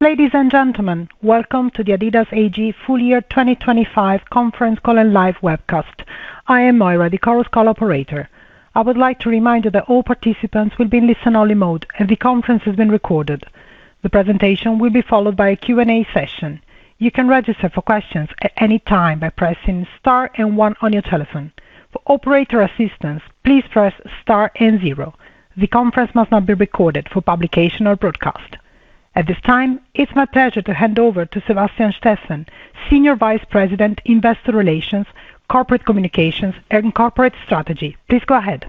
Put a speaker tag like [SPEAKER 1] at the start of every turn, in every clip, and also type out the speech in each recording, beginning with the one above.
[SPEAKER 1] Ladies and gentlemen, welcome to the adidas AG Full Year 2025 conference call and live webcast. I am Moira, the conference call operator. I would like to remind you that all participants will be in listen-only mode and the conference is being recorded. The presentation will be followed by a Q&A session. You can register for questions at any time by pressing star and one on your telephone. For operator assistance, please press star and zero. The conference must not be recorded for publication or broadcast. At this time, it's my pleasure to hand over to Sebastian Steffen, Senior Vice President, Investor Relations, Corporate Communications and Corporate Strategy. Please go ahead.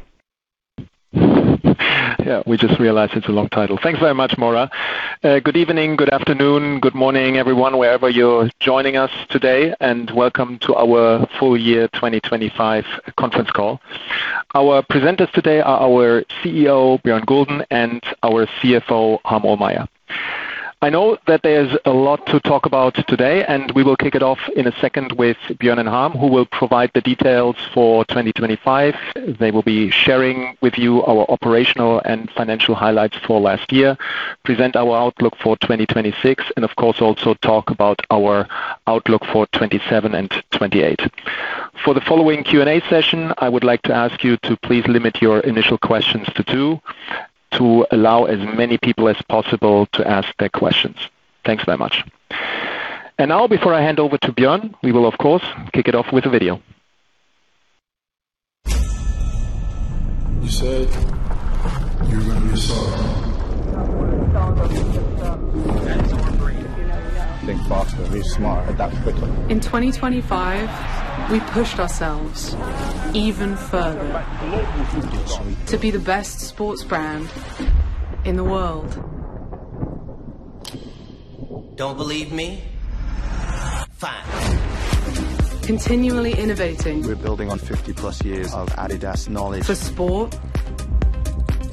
[SPEAKER 2] Yeah, we just realized it's a long title. Thanks very much, Moira. Good evening, good afternoon, good morning, everyone, wherever you're joining us today. Welcome to our full year 2025 conference call. Our presenters today are our CEO, Bjørn Gulden, and our CFO, Harm Ohlmeyer. I know that there's a lot to talk about today. We will kick it off in a second with Bjørn and Harm, who will provide the details for 2025. They will be sharing with you our operational and financial highlights for last year, present our outlook for 2026. Of course also talk about our outlook for 2027 and 2028. For the following Q&A session, I would like to ask you to please limit your initial questions to two to allow as many people as possible to ask their questions. Thanks very much. Now before I hand over to Bjorn, we will of course kick it off with a video.
[SPEAKER 3] You said you were gonna be a star. Think faster, be smarter, adapt quickly. In 2025, we pushed ourselves even further to be the best sports brand in the world. Don't believe me? Fine. Continually innovating. We're building on 50-plus years of adidas knowledge. For sport.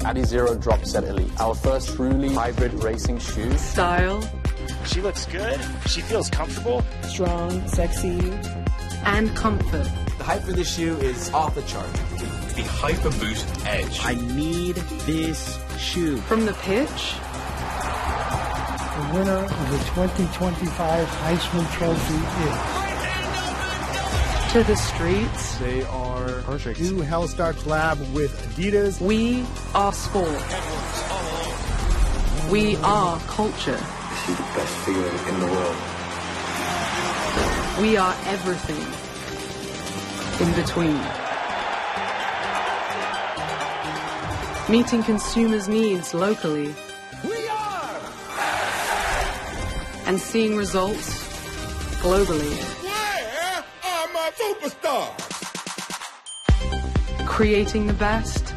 [SPEAKER 3] Adizero Dropset Elite. Our first truly hybrid racing shoe. Style. She looks good. She feels comfortable. Strong, sexy and comfort. The hype of the shoe is off the charts. The Predator Edge. I need this shoe. From the pitch. The winner of the 2025 Heisman Trophy is... To the streets. They are perfect. New Hellstar collab with adidas. We are sport. We are culture. This is the best feeling in the world. We are everything in between. Meeting consumers' needs locally. We are! adidas! Seeing results globally. Where are my Superstars? Creating the best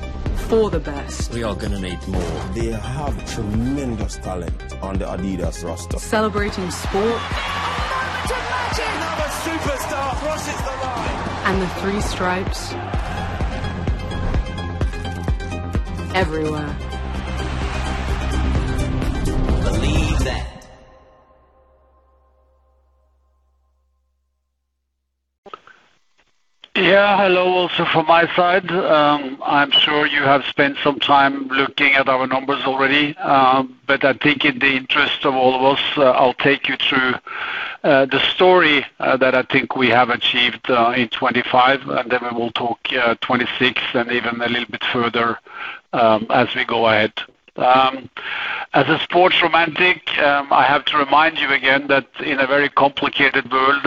[SPEAKER 3] for the best. We are gonna need more. They have tremendous talent on the adidas roster. Celebrating sport. Another Superstar crosses the line. The three stripes everywhere. Believe that.
[SPEAKER 4] Yeah. Hello, also from my side. I'm sure you have spent some time looking at our numbers already, but I think in the interest of all of us, I'll take you through the story that I think we have achieved in 2025, and then we will talk 2026 and even a little bit further as we go ahead. As a sports romantic, I have to remind you again that in a very complicated world,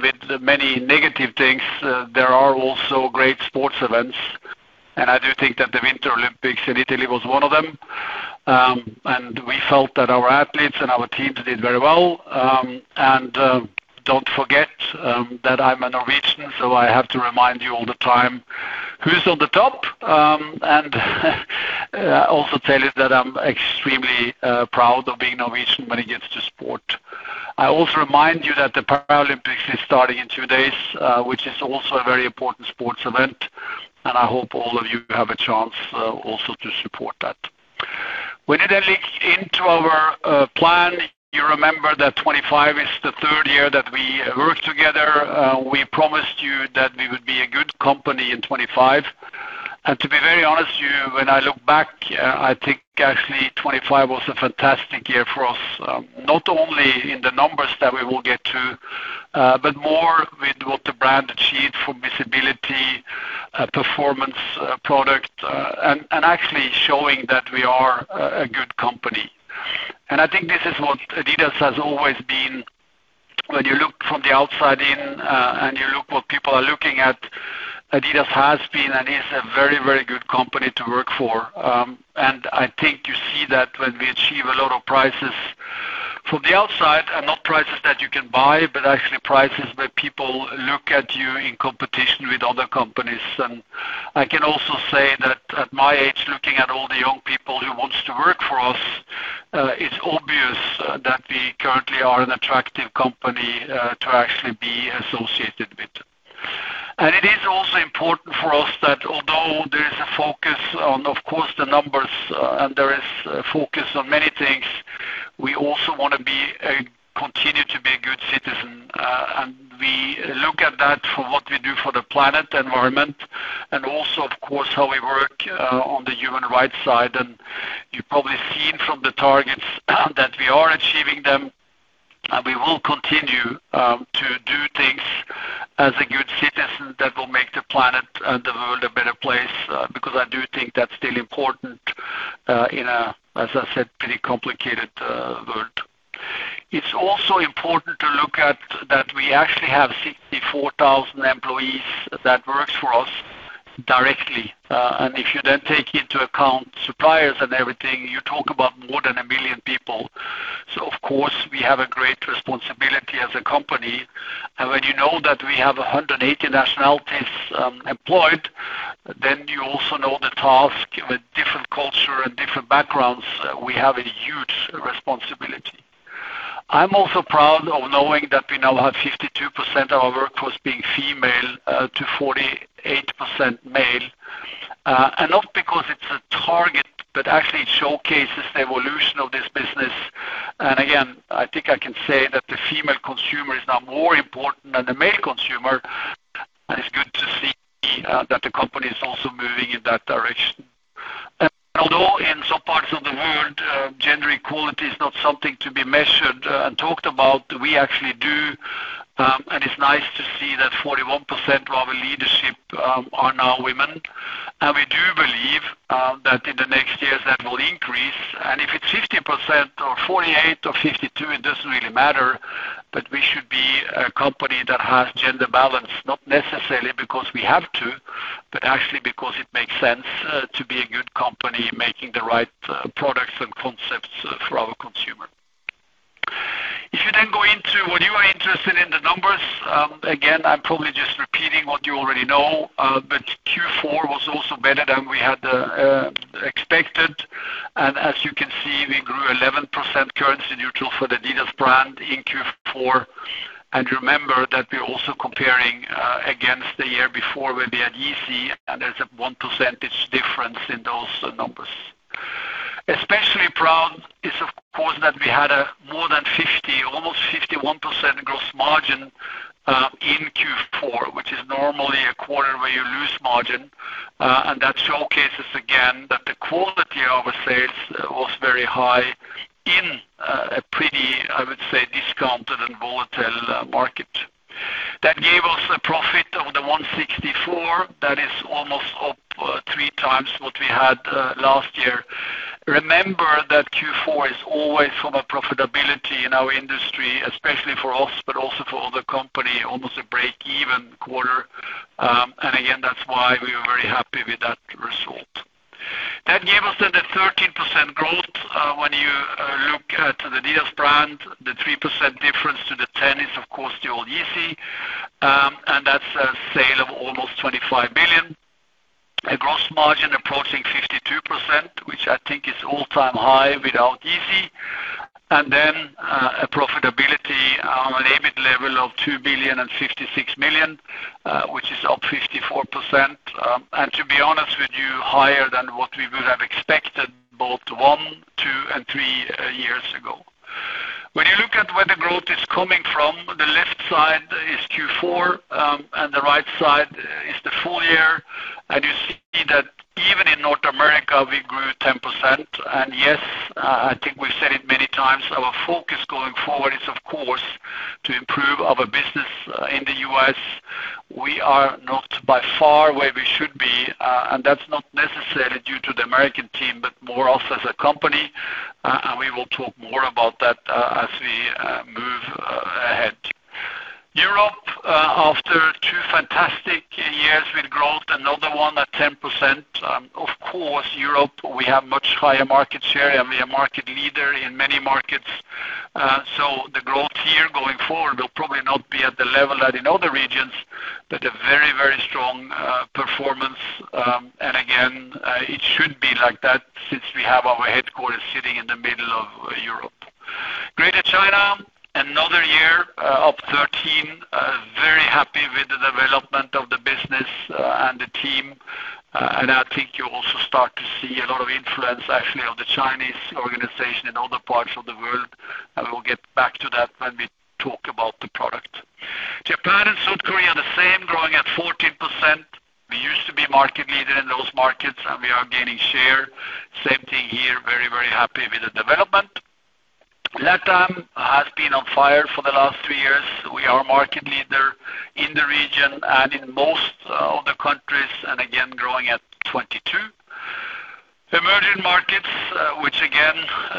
[SPEAKER 4] with many negative things, there are also great sports events. I do think that the Winter Olympics in Italy was one of them, and we felt that our athletes and our teams did very well. Don't forget that I'm a Norwegian, so I have to remind you all the time who's on the top. Also tell you that I'm extremely proud of being Norwegian when it gets to sport. I also remind you that the Paralympics is starting in two days, which is also a very important sports event, and I hope all of you have a chance also to support that. When it links into our plan, you remember that 2025 is the third year that we work together. We promised you that we would be a good company in 2025. To be very honest with you, when I look back, I think actually 2025 was a fantastic year for us. Not only in the numbers that we will get to, but more with what the brand achieved for visibility, performance, product, and actually showing that we are a good company. I think this is what adidas has always been. When you look from the outside in, and you look what people are looking at, adidas has been and is a very, very good company to work for. I think you see that when we achieve a lot of prizes from the outside and not prizes that you can buy, but actually prizes where people look at you in competition with other companies. I can also say that at my age, looking at all the young people who wants to work for us, it's obvious that we currently are an attractive company to actually be associated with. It is also important for us that although there is a focus on, of course, the numbers, and there is a focus on many things, we also wanna be a citizen. We look at that for what we do for the planet, environment, and also, of course, how we work on the human rights side. You've probably seen from the targets that we are achieving them, and we will continue to do things as a good citizen that will make the planet and the world a better place, because I do think that's still important in a, as I said, pretty complicated world. It's also important to look at that we actually have 64,000 employees that works for us directly. If you then take into account suppliers and everything, you talk about more than 1 million people. Of course, we have a great responsibility as a company. When you know that we have 180 nationalities employed, then you also know the task. With different culture and different backgrounds, we have a huge responsibility. I'm also proud of knowing that we now have 52% of our workforce being female, to 48% male. Not because it's a target, but actually it showcases the evolution of this business. Again, I think I can say that the female consumer is now more important than the male consumer, and it's good to see that the company is also moving in that direction. Although in some parts of the world, gender equality is not something to be measured and talked about, we actually do, and it's nice to see that 41% of our leadership are now women. We do believe that in the next years that will increase. If it's 50% or 48 or 52, it doesn't really matter, but we should be a company that has gender balance, not necessarily because we have to, but actually because it makes sense to be a good company making the right products and concepts for our consumer. If you then go into when you are interested in the numbers, again, I'm probably just repeating what you already know, but Q4 was also better than we had expected. As you can see, we grew 11% currency neutral for the adidas brand in Q4. Remember that we're also comparing against the year before where we had Yeezy, and there's a one percentage difference in those numbers. Especially proud is, of course, that we had a more than 50%, almost 51% gross margin in Q4, which is normally a quarter where you lose margin. That showcases again that the quality of our sales was very high in a pretty, I would say, discounted and volatile market. That gave us a profit of 164. That is almost up three times what we had last year. Remember that Q4 is always from a profitability in our industry, especially for us, but also for other company, almost a break-even quarter. Again, that's why we were very happy with that result. That gave us then the 13% growth. When you look at the adidas brand, the 3% difference to the 10 is of course the old Yeezy, and that's a sale of almost 25 billion. A gross margin approaching 52%, which I think is all-time high without Yeezy. A profitability on an EBIT level of 2.056 billion, which is up 54%. To be honest with you, higher than what we would have expected both one, two, and three years ago. When you look at where the growth is coming from, the left side is Q4, and the right side is the full year. Even in North America we grew 10%. I think we've said it many times, our focus going forward is of course to improve our business in the U.S. We are not by far where we should be, and that's not necessarily due to the American team, but more us as a company. We will talk more about that as we move ahead. Europe, after two fantastic years with growth, another one at 10%. Of course, Europe, we have much higher market share, and we are market leader in many markets. The growth here going forward will probably not be at the level that in other regions, but a very, very strong performance. Again, it should be like that since we have our headquarters sitting in the middle of Europe. Greater China, another year, up 13. Very happy with the development of the business and the team. I think you also start to see a lot of influence actually of the Chinese organization in other parts of the world, and we'll get back to that when we talk about the product. Japan and South Korea, the same, growing at 14%. We used to be market leader in those markets, we are gaining share. Same thing here, very, very happy with the development. LatAm has been on fire for the last two years. We are market leader in the region and in most of the countries, again, growing at 22%. Emerging markets, which again,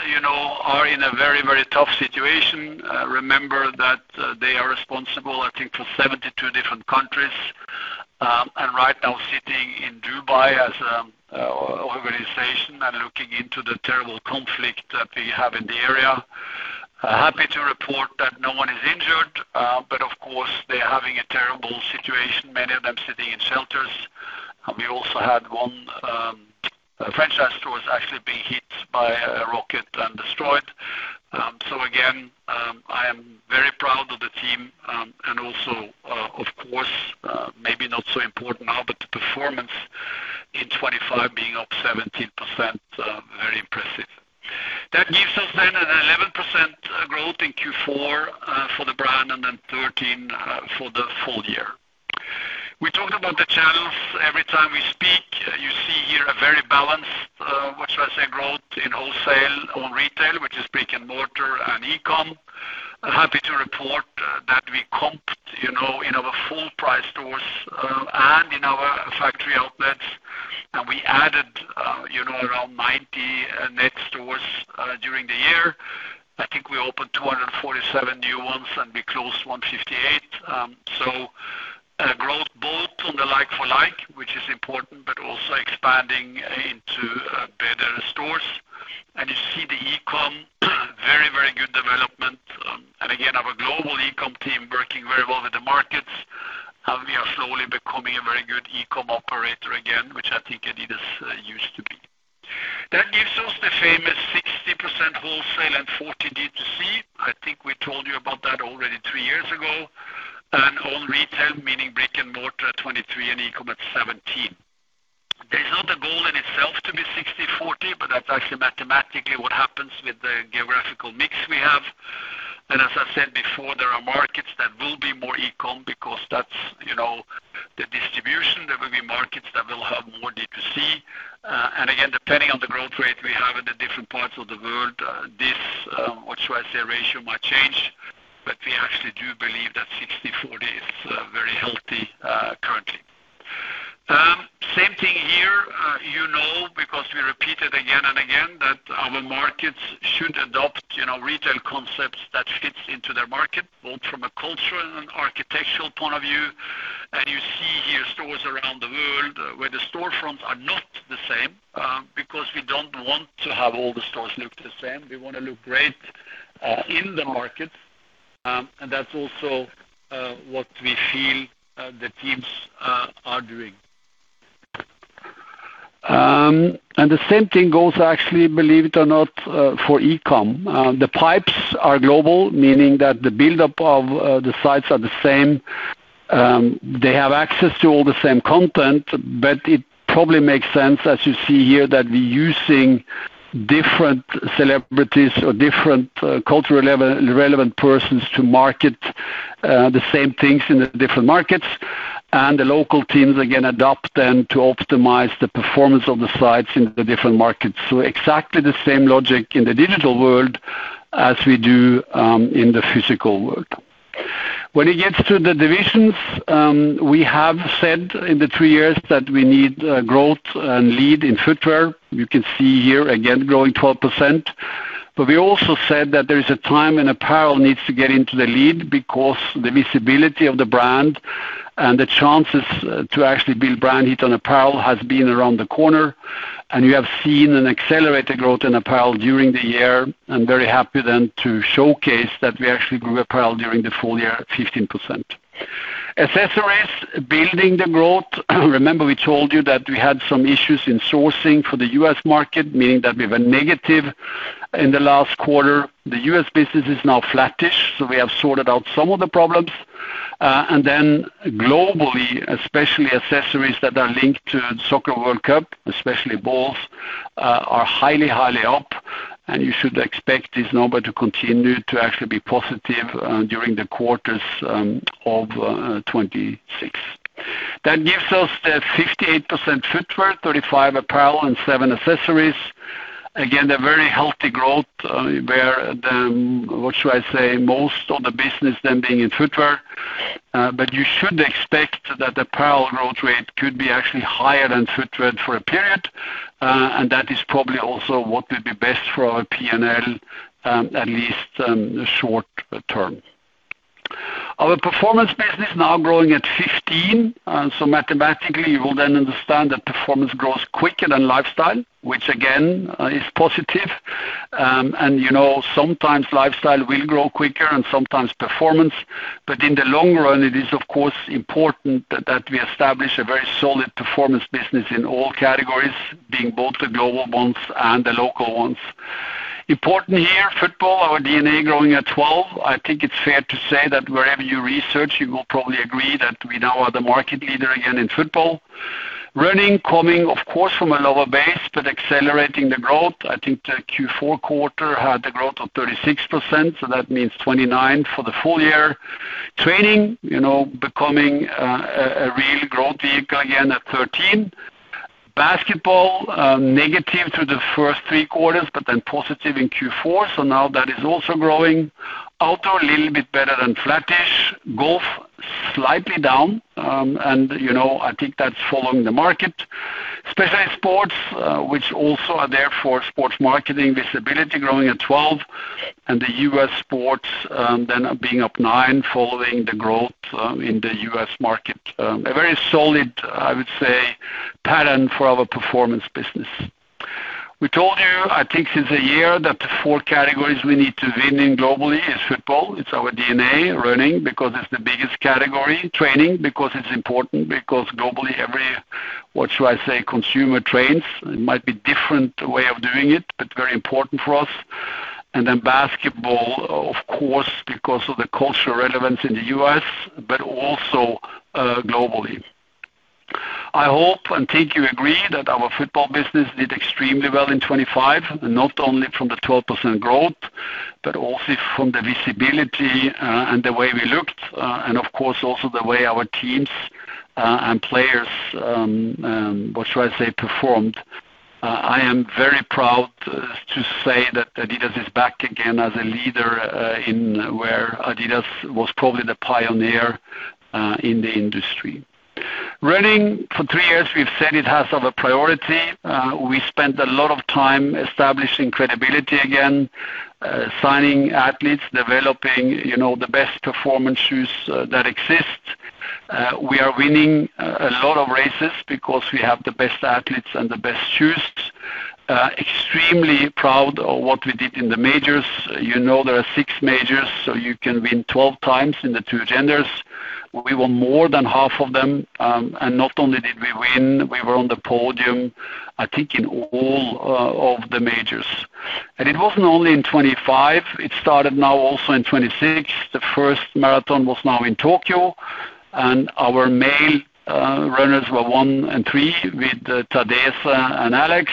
[SPEAKER 4] you know, are in a very, very tough situation. Remember that they are responsible, I think, for 72 different countries. Right now sitting in Dubai as organization and looking into the terrible conflict that we have in the area. Happy to report that no one is injured, of course, they're having a terrible situation, many of them sitting in shelters. We also had one franchise store was actually being hit by a rocket and destroyed. Again, I am very proud of the team and also, of course, maybe not so important now, but the performance in 2025 being up 17%. That gives us then an 11% growth in Q4 for the brand and then 13% for the full year. We talked about the channels every time we speak. You see here a very balanced, what should I say, growth in wholesale, own retail, which is brick-and-mortar, and e-com. Happy to report that we comped in our full-price stores and in our factory outlets, and we added around 90 net stores during the year. I think we opened 247 new ones and we closed 158. Growth both on the like for like, which is important, but also expanding into better stores. You see the e-com, very, very good development. Again, our global e-com team working very well with the markets, and we are slowly becoming a very good e-com operator again, which I think adidas used to be. That gives us the famous 60% wholesale and 40 D2C. I think we told you about that already three years ago. Own retail, meaning brick and mortar at 23 and e-com at 17. It's not a goal in itself to be 60/40, but that's actually mathematically what happens with the geographical mix we have. As I said before, there are markets that will be more e-com because that's, you know, the distribution. There will be markets that will have more D2C. Again, depending on the growth rate we have in the different parts of the world, this, what should I say, ratio might change, but we actually do believe that 60/40 is very healthy currently. Same thing here, you know, because we repeat it again and again, that our markets should adopt retail concepts that fits into their market, both from a cultural and architectural point of view. You see here stores around the world where the storefronts are not the same, because we don't want to have all the stores look the same. We want to look great in the market. That's also what we feel the teams are doing. The same thing goes actually, believe it or not, for e-com. The pipes are global, meaning that the buildup of the sites are the same. They have access to all the same content, but it probably makes sense, as you see here, that we're using different celebrities or different culturally relevant persons to market, the same things in the different markets. The local teams, again, adopt them to optimize the performance of the sites in the different markets. Exactly the same logic in the digital world as we do, in the physical world. When it gets to the divisions, we have said in the three years that we need growth and lead in footwear. You can see here again, growing 12%. We also said that there is a time when apparel needs to get into the lead because the visibility of the brand and the chances to actually build brand heat on apparel has been around the corner. You have seen an accelerated growth in apparel during the year. I'm very happy then to showcase that we actually grew apparel during the full year at 15%. Accessories, building the growth. Remember we told you that we had some issues in sourcing for the U.S. market, meaning that we were negative in the last quarter. The U.S. business is now flattish, so we have sorted out some of the problems. Then globally, especially accessories that are linked to FIFA World Cup, especially balls, are highly up. You should expect this number to continue to actually be positive during the quarters of 2026. That gives us the 58% footwear, 35% apparel, and 7% accessories. Again, a very healthy growth, where the, what should I say, most of the business then being in footwear. You should expect that apparel growth rate could be actually higher than footwear for a period. That is probably also what will be best for our P&L, at least, short term. Our performance business now growing at 15%. Mathematically, you will then understand that performance grows quicker than lifestyle, which again is positive. You know, sometimes lifestyle will grow quicker and sometimes performance. In the long run, it is of course, important that we establish a very solid performance business in all categories, being both the global ones and the local ones. Important here, football, our DNA growing at 12%. I think it's fair to say that wherever you research, you will probably agree that we now are the market leader again in football. Running, coming, of course, from a lower base, but accelerating the growth. I think the Q4 quarter had a growth of 36%, so that means 29% for the full year. Training, you know, becoming a real growth vehicle again at 13%. Basketball, negative through the first three quarters, but then positive in Q4. Now that is also growing. Outdoor a little bit better than flattish. Golf slightly down. You know, I think that's following the market. Specialized sports, which also are there for sports marketing visibility, growing at 12%. The U.S. sports then being up 9%, following the growth in the U.S. market. A very solid, I would say, pattern for our performance business. We told you, I think, since a year that the four categories we need to win in globally is football. It's our DNA. Running, because it's the biggest category. Training, because it's important, because globally every, what should I say, consumer trains. It might be different way of doing it, but very important for us. Basketball, of course, because of the cultural relevance in the U.S., but also globally. I hope and think you agree that our football business did extremely well in 2025, not only from the 12% growth, but also from the visibility, and the way we looked, and of course, also the way our teams and players, what should I say, performed. I am very proud to say that adidas is back again as a leader in where adidas was probably the pioneer in the industry. Running for three years, we've said it has of a priority. We spent a lot of time establishing credibility again, signing athletes, developing, you know, the best performance shoes that exist. We are winning a lot of races because we have the best athletes and the best shoes. Extremely proud of what we did in the majors. You know there are six majors, so you can win 12 times in the two genders. We won more than half of them. Not only did we win, we were on the podium, I think, in all of the majors. It wasn't only in 2025, it started now also in 2026. The first marathon was now in Tokyo, and our male runners were one and three with Tadesa and Alex.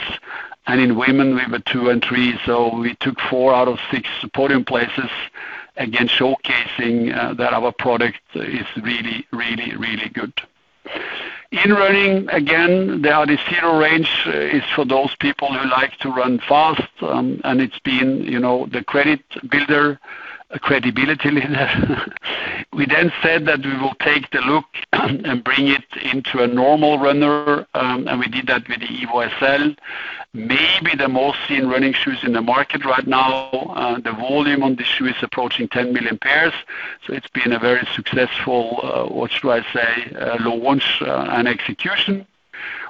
[SPEAKER 4] In women, we were two and three, so we took four out of six podium places. Again, showcasing that our product is really, really, really good. In running, again, the Adizero range is for those people who like to run fast. It's been, you know, the credit builder, credibility leader. We then said that we will take the look and bring it into a normal runner, and we did that with the Adizero SL. Maybe the most seen running shoes in the market right now. The volume on the shoe is approaching 10 million pairs. It's been a very successful, what should I say, launch and execution.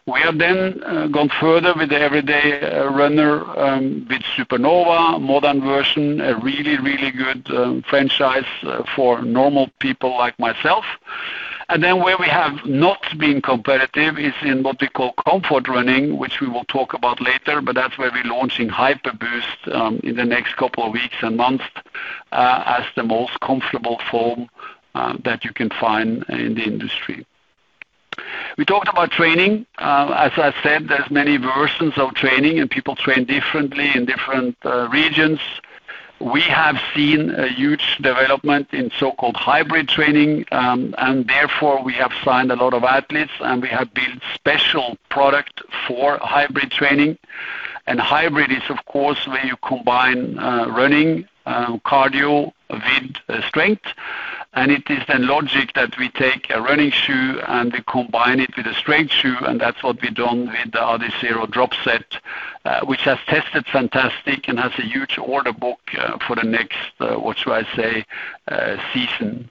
[SPEAKER 4] We have then gone further with the everyday runner, with Supernova modern version, a really, really good franchise for normal people like myself. Where we have not been competitive is in what we call comfort running, which we will talk about later, but that's where we're launching Hyperboost in the next couple of weeks and months as the most comfortable foam that you can find in the industry. We talked about training. As I said, there's many versions of training and people train differently in different regions. We have seen a huge development in so-called hybrid training, and therefore we have signed a lot of athletes, and we have built special product for hybrid training. Hybrid is, of course, where you combine running, cardio with strength. It is then logic that we take a running shoe and we combine it with a strength shoe, and that's what we've done with the Adizero Dropset, which has tested fantastic and has a huge order book for the next season.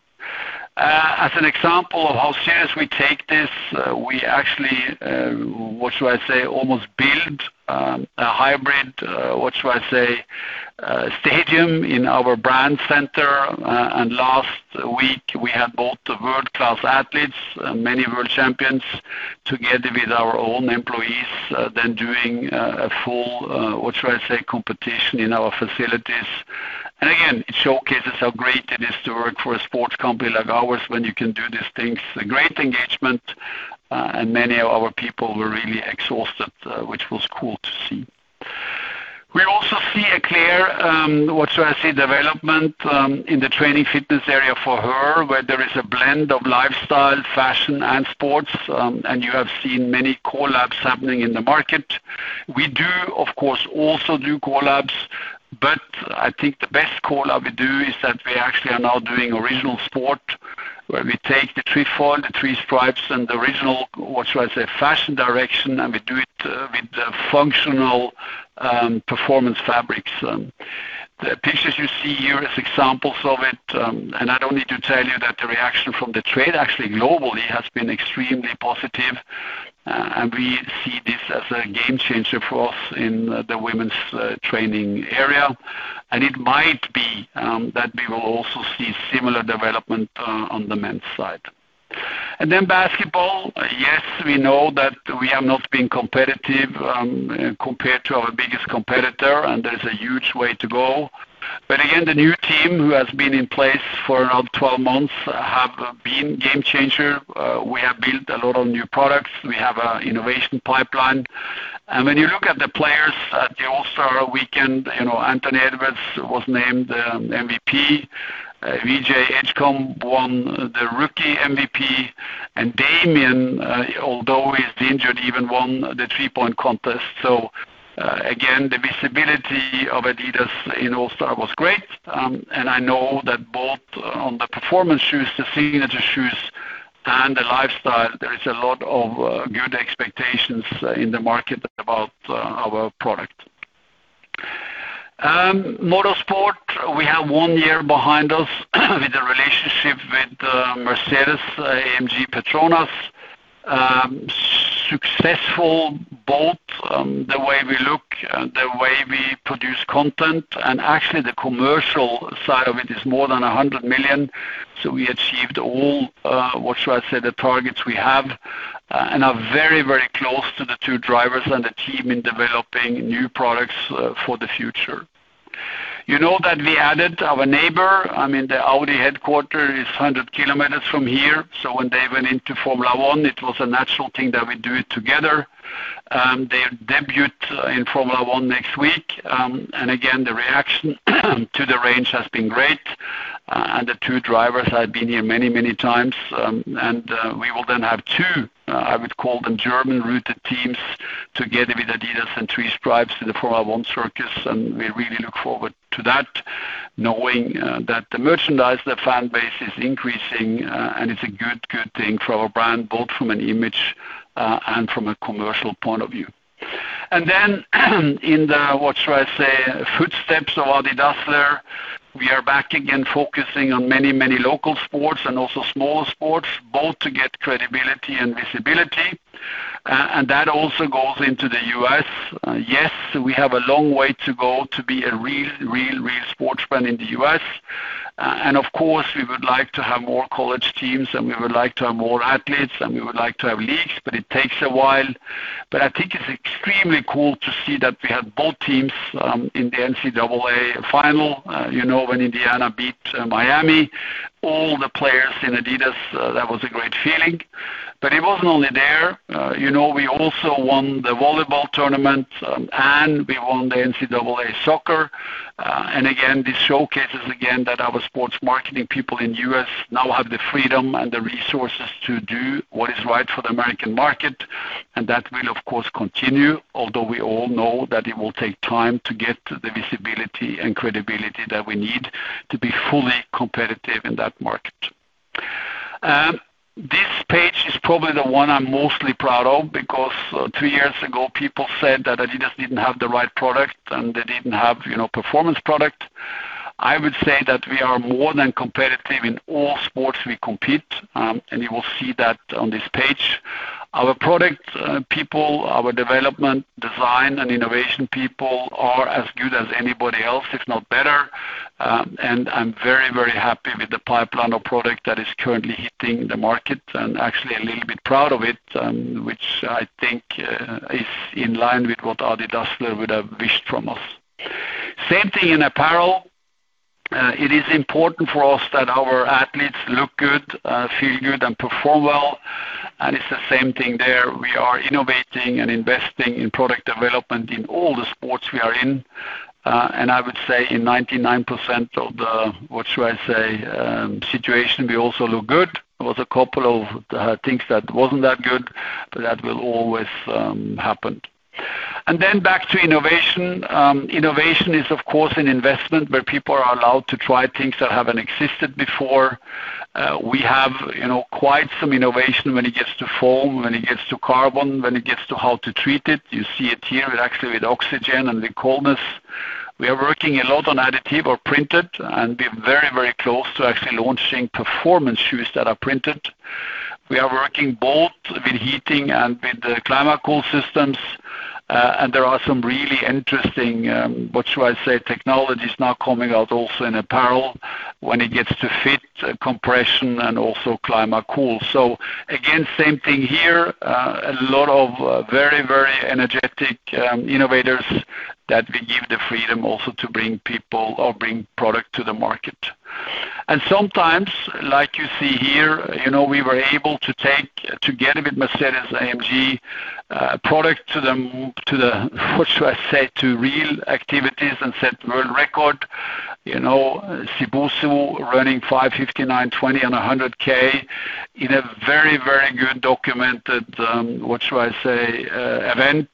[SPEAKER 4] As an example of how serious we take this, we actually almost build a hybrid stadium in our brand center. Last week, we had both the world-class athletes, many world champions together with our own employees, then doing a full competition in our facilities. Again, it showcases how great it is to work for a sports company like ours when you can do these things. A great engagement, and many of our people were really exhausted, which was cool to see. We also see a clear, what should I say, development, in the training fitness area for her, where there is a blend of lifestyle, fashion and sports, and you have seen many collabs happening in the market. We do, of course, also do collabs, but I think the best collab we do is that we actually are now doing original sport where we take the three stripes and the original, what should I say, fashion direction, and we do it with the functional, performance fabrics. The pictures you see here is examples of it. I don't need to tell you that the reaction from the trade actually globally has been extremely positive. We see this as a game changer for us in the women's training area. It might be that we will also see similar development on the men's side. Basketball. Yes, we know that we have not been competitive compared to our biggest competitor, and there is a huge way to go. Again, the new team who has been in place for about 12 months have been game changer. We have built a lot of new products. We have an innovation pipeline. When you look at the players at the All-Star weekend, you know, Anthony Edwards was named MVP VJ Edgecombe won the rookie MVP Damian, although he's injured, even won the three-point contest. Again, the visibility of adidas in All-Star was great. I know that both on the performance shoes, the signature shoes and the lifestyle, there is a lot of good expectations in the market about our product. Motorsport, we have one year behind us with the relationship with Mercedes-AMG Petronas. Successful both, the way we look, the way we produce content, actually the commercial side of it is more than 100 million. We achieved all, what should I say, the targets we have, are very, very close to the two drivers and the team in developing new products for the future. You know that we added our neighbor. I mean, the Audi headquarter is 100 km from here. When they went into Formula One, it was a natural thing that we do it together. They debut in Formula One next week. The reaction to the range has been great. The two drivers have been here many, many times. We will then have two, I would call them German-rooted teams together with adidas and Three Stripes in the Formula One circus, and we really look forward to that, knowing that the merchandise, the fan base is increasing, and it's a good thing for our brand, both from an image and from a commercial point of view. In the, what should I say, footsteps of Adi Dassler, we are back again focusing on many, many local sports and also smaller sports, both to get credibility and visibility. That also goes into the U.S. Yes, we have a long way to go to be a real, real sports brand in the U.S. And of course, we would like to have more college teams, and we would like to have more athletes, and we would like to have leagues, but it takes a while. But I think it's extremely cool to see that we have both teams in the NCAA final. You know, when Indiana beat Miami, all the players in adidas, that was a great feeling. But it wasn't only there. You know, we also won the volleyball tournament, and we won the NCAA soccer. And again, this showcases again that our sports marketing people in U.S. now have the freedom and the resources to do what is right for the American market, and that will of course continue, although we all know that it will take time to get the visibility and credibility that we need to be fully competitive in that market. This page is probably the one I'm mostly proud of because three years ago, people said that adidas didn't have the right product and they didn't have, you know, performance product. I would say that we are more than competitive in all sports we compete, you will see that on this page. Our product people, our development, design, and innovation people are as good as anybody else, if not better. I'm very, very happy with the pipeline of product that is currently hitting the market and actually a little bit proud of it, which I think is in line with what Adi Dassler would have wished from us. Same thing in apparel. It is important for us that our athletes look good, feel good, and perform well. It's the same thing there. We are innovating and investing in product development in all the sports we are in. I would say in 99% of the, what should I say, situation, we also look good. There was a couple of things that wasn't that good, but that will always happen. Back to innovation. Innovation is, of course, an investment where people are allowed to try things that haven't existed before. We have, you know, quite some innovation when it gets to foam, when it gets to carbon, when it gets to how to treat it. You see it here with actually with oxygen and the coldness. We are working a lot on additive or printed, and we're very, very close to actually launching performance shoes that are printed. We are working both with heating and with the Climacool systems. There are some really interesting, what should I say, technologies now coming out also in apparel when it gets to fit, compression, and also Climacool. Again, same thing here. A lot of very, very energetic innovators that we give the freedom also to bring people or bring product to the market. Sometimes, like you see here, you know, we were able to take together with Mercedes-AMG product to the, what should I say, to real activities and set world record. You know, Sibuso running 5:59:20 on a 100 K in a very, very good documented, what should I say, event.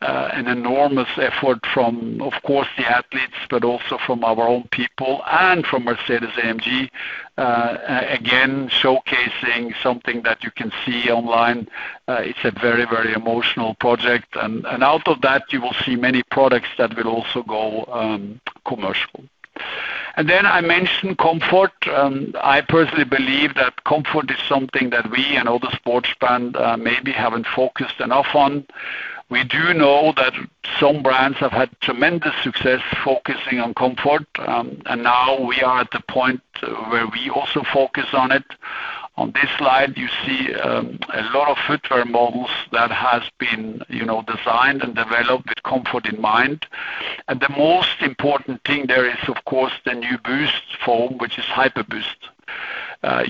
[SPEAKER 4] An enormous effort from, of course, the athletes, but also from our own people and from Mercedes-AMG. Again, showcasing something that you can see online. It's a very, very emotional project. Out of that, you will see many products that will also go commercial. Then I mentioned comfort. I personally believe that comfort is something that we and other sports brand maybe haven't focused enough on. We do know that some brands have had tremendous success focusing on comfort. Now we are at the point where we also focus on it. On this slide, you see a lot of footwear models that has been, you know, designed and developed with comfort in mind. The most important thing there is, of course, the new Boost foam, which is HyperBoost.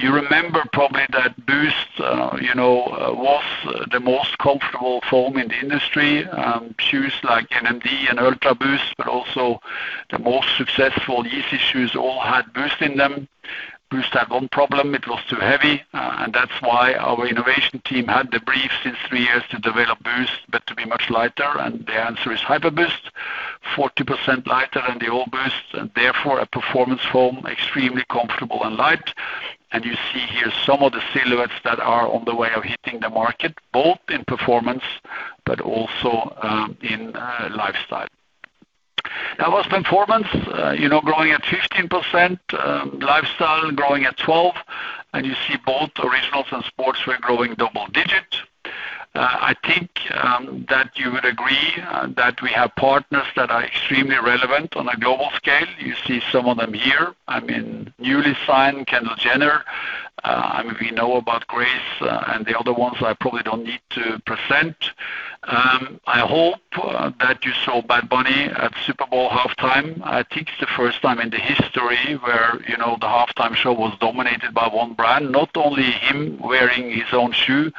[SPEAKER 4] You remember probably that Boost, you know, was the most comfortable foam in the industry. Shoes like NMD and UltraBoost, but also the most successful Yeezy shoes all had Boost in them. Boost had one problem. It was too heavy. That's why our innovation team had the brief since three years to develop Boost, but to be much lighter. The answer is Hyperboost, 40% lighter than the old Boost and therefore a performance foam, extremely comfortable and light. You see here some of the silhouettes that are on the way of hitting the market, both in performance but also in lifestyle. That was performance, you know, growing at 15%, lifestyle growing at 12, and you see both originals and sports were growing double digit. I think that you would agree that we have partners that are extremely relevant on a global scale. You see some of them here. I mean, newly signed Kendall Jenner. I mean, we know about Grace and the other ones I probably don't need to present. I hope that you saw Bad Bunny at Super Bowl halftime. I think it's the first time in the history where, you know, the halftime show was dominated by one brand. Not only him wearing his own shoe,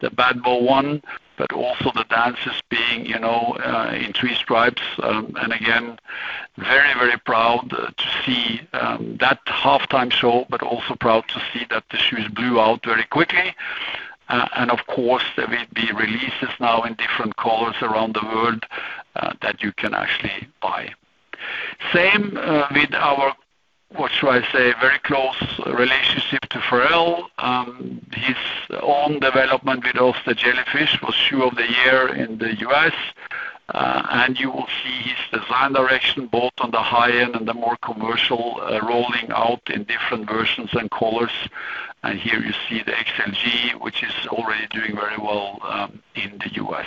[SPEAKER 4] the BadBo 1.0, but also the dancers being, you know, in three stripes. Again, very, very proud to see that halftime show, but also proud to see that the shoes blew out very quickly. Of course, there will be releases now in different colors around the world that you can actually buy. Same with our, what should I say, very close relationship to Pharrell. His own development with, of the Jellyfish was Shoe of the Year in the U.S. You will see his design direction both on the high end and the more commercial, rolling out in different versions and colors. Here you see the X LG, which is already doing very well in the U.S..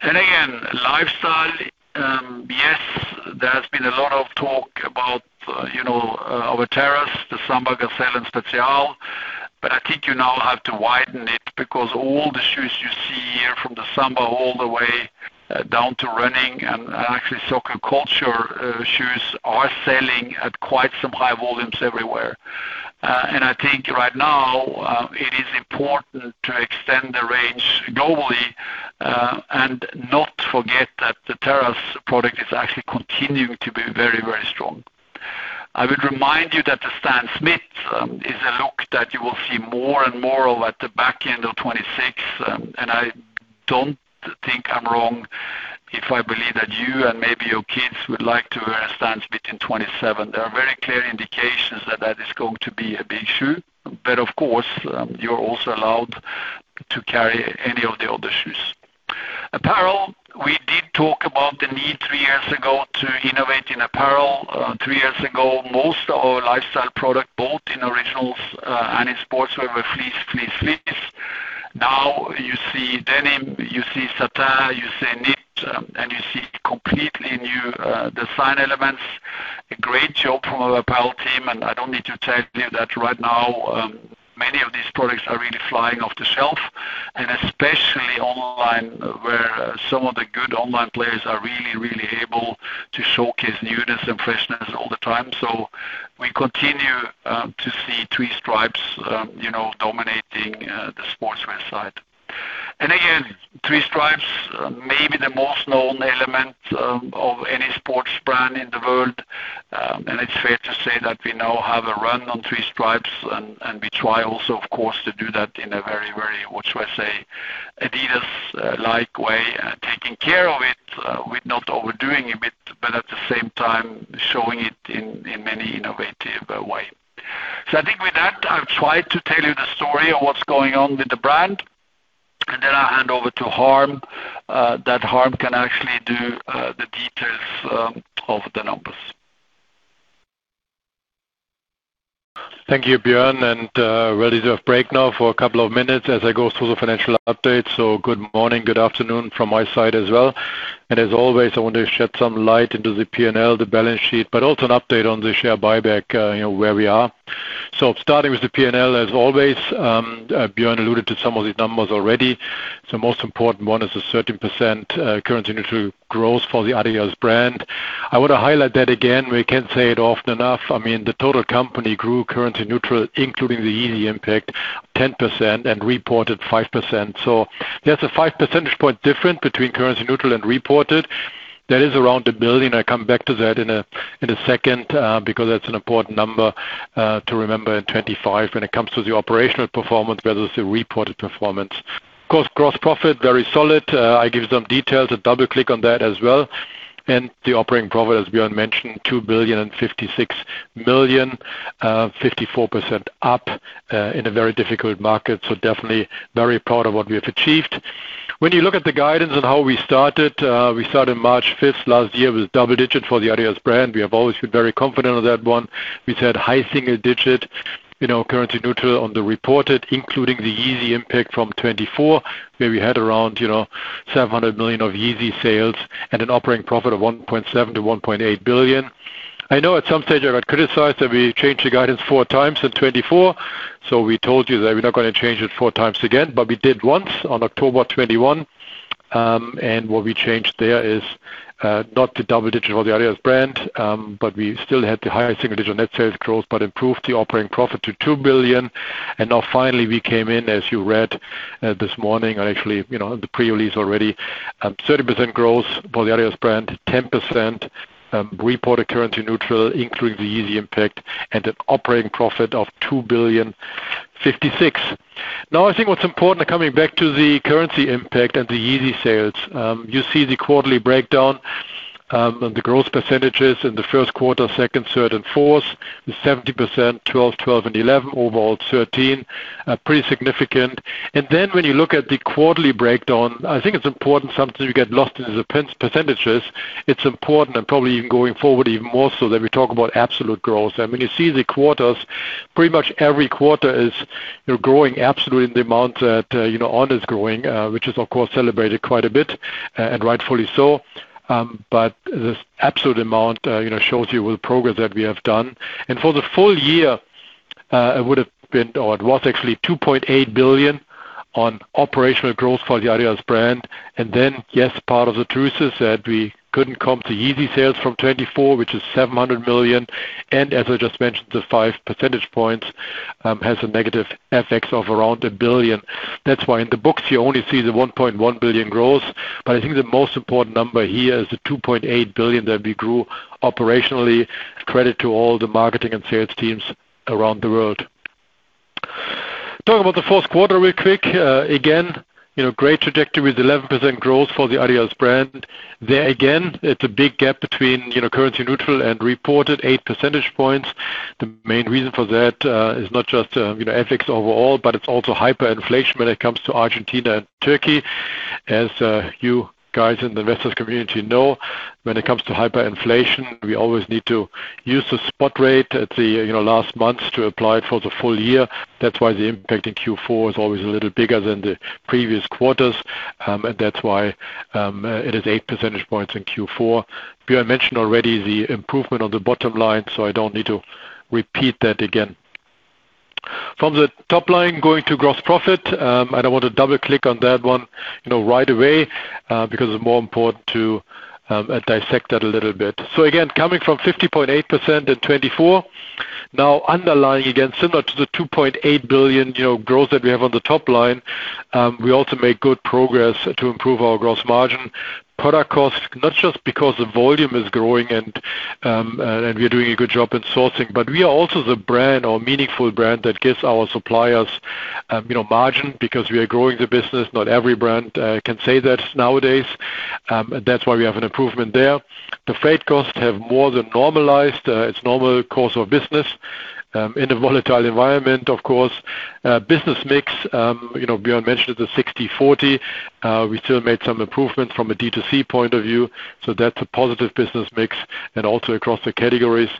[SPEAKER 4] Again, lifestyle, yes, there has been a lot of talk about, you know, our Terrace, the Samba, Gazelle, and Spezial. I think you now have to widen it because all the shoes you see here from the Samba all the way down to running and actually soccer culture shoes are selling at quite some high volumes everywhere. I think right now, it is important to extend the range globally, and not forget that the Terrace product is actually continuing to be very, very strong. I would remind you that the Stan Smith is a look that you will see more and more of at the back end of 2026. I don't think I'm wrong if I believe that you and maybe your kids would like to wear a Stan Smith in 2027. There are very clear indications that that is going to be a big shoe. Of course, you're also allowed to carry any of the other shoes. Apparel, we did talk about the need three years ago to innovate in apparel. Three years ago, most of our lifestyle product, both in Originals, and in sportswear were fleece. Now you see denim, you see satin, you see knit, and you see completely new design elements. A great job from our apparel team. I don't need to tell you that right now, many of these products are really flying off the shelf. Especially online, where some of the good online players are really, really able to showcase newness and freshness all the time. We continue to see Three Stripes, you know, dominating the sportswear side. Again, Three Stripes may be the most known element of any sports brand in the world. It's fair to say that we now have a run on Three Stripes and we try also, of course, to do that in a very, very, what should I say, adidas-like way. Taking care of it with not overdoing a bit, but at the same time showing it in many innovative way. I think with that, I've tried to tell you the story of what's going on with the brand, and then I'll hand over to Harm, that Harm can actually do the details of the numbers.
[SPEAKER 5] Thank you, Bjørn, ready to break now for a couple of minutes as I go through the financial update. Good morning, good afternoon from my side as well. As always, I want to shed some light into the P&L, the balance sheet, but also an update on the share buyback, you know, where we are. Starting with the P&L, as always, Bjørn alluded to some of these numbers already. The most important one is a 13% currency neutral growth for the adidas brand. I want to highlight that again. We can't say it often enough. I mean, the total company grew currency neutral, including the Yeezy impact, 10% and reported 5%. There's a 5 percentage point difference between currency neutral and reported. That is around 1 billion. I come back to that in a second because that's an important number to remember in 2025 when it comes to the operational performance versus the reported performance. Of course, gross profit, very solid. I give some details, a double click on that as well. The operating profit, as Bjørn mentioned, 2.056 billion, 54% up, in a very difficult market. Definitely very proud of what we have achieved. When you look at the guidance on how we started, we started March fifth last year with double-digit for the adidas brand. We have always been very confident on that one. We said high single-digit, you know, currency neutral on the reported, including the Yeezy impact from 2024, where we had around, you know, 700 million of Yeezy sales and an operating profit of 1.7 billion-1.8 billion. I know at some stage I got criticized that we changed the guidance four times in 2024. We told you that we're not gonna change it four times again, but we did once on October 21. What we changed there is not the double-digit for the adidas brand, but we still had the higher single-digit net sales growth, but improved the operating profit to 2 billion. Finally, we came in, as you read, this morning, or actually, the pre-release already, 30% growth for the adidas brand, 10% reported currency neutral, including the Yeezy impact and an operating profit of 2,000,000,056. I think what's important, coming back to the currency impact and the Yeezy sales, you see the quarterly breakdown on the growth percentages in the 1st quarter, 2nd, 3rd, and 4th. The 70%, 12%, 12%, and 11%, overall 13%, pretty significant. when you look at the quarterly breakdown, I think it's important, sometimes we get lost in the percentages. It's important and probably even going forward even more so that we talk about absolute growth. When you see the quarters, pretty much every quarter you're growing absolutely the amount that, you know, On is growing, which is of course celebrated quite a bit, and rightfully so. This absolute amount, you know, shows you with progress that we have done. For the full year, it would have been or it was actually 2.8 billion on operational growth for the adidas brand. Yes, part of the truth is that we couldn't come to easy sales from 2024, which is 700 million. As I just mentioned, the five percentage points has a negative FX of around 1 billion. That's why in the books you only see the 1.1 billion growth. I think the most important number here is the 2.8 billion that we grew operationally. Credit to all the marketing and sales teams around the world. Talk about the 4th quarter real quick. Again, you know, great trajectory with 11% growth for the adidas brand. There again, it's a big gap between, you know, currency neutral and reported 8 percentage points. The main reason for that is not just, you know, FX overall, but it's also hyperinflation when it comes to Argentina and Turkey. As you guys in the investors community know, when it comes to hyperinflation, we always need to use the spot rate at the, you know, last month to apply for the full year. That's why the impact in Q4 is always a little bigger than the previous quarters. That's why it is eight percentage points in Q4. Bjørn mentioned already the improvement on the bottom line, so I don't need to repeat that again. From the top line going to gross profit, and I want to double-click on that one, you know, right away, because it's more important to dissect that a little bit. Again, coming from 50.8% in 2024, now underlying again similar to the 2.8 billion, you know, growth that we have on the top line, we also make good progress to improve our gross margin. Product costs, not just because the volume is growing and we're doing a good job in sourcing, but we are also the brand or meaningful brand that gives our suppliers, you know, margin because we are growing the business. Not every brand can say that nowadays. That's why we have an improvement there. The freight costs have more than normalized. It's normal course of business, in a volatile environment, of course. Business mix, you know, Bjørn mentioned the 60/40. We still made some improvements from a D2C point of view, so that's a positive business mix and also across the categories.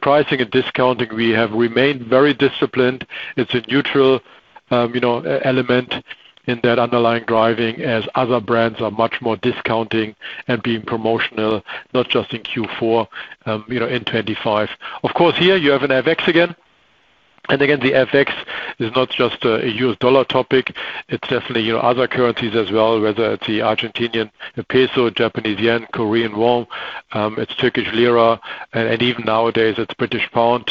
[SPEAKER 5] Pricing and discounting, we have remained very disciplined. It's a neutral, you know, e-element in that underlying driving as other brands are much more discounting and being promotional, not just in Q4, you know, in 2025. Of course, here you have an FX again. Again, the FX is not just a U.S. dollar topic. It's definitely, you know, other currencies as well, whether it's the Argentinian peso, Japanese yen, Korean won, it's Turkish lira, and even nowadays it's British pound.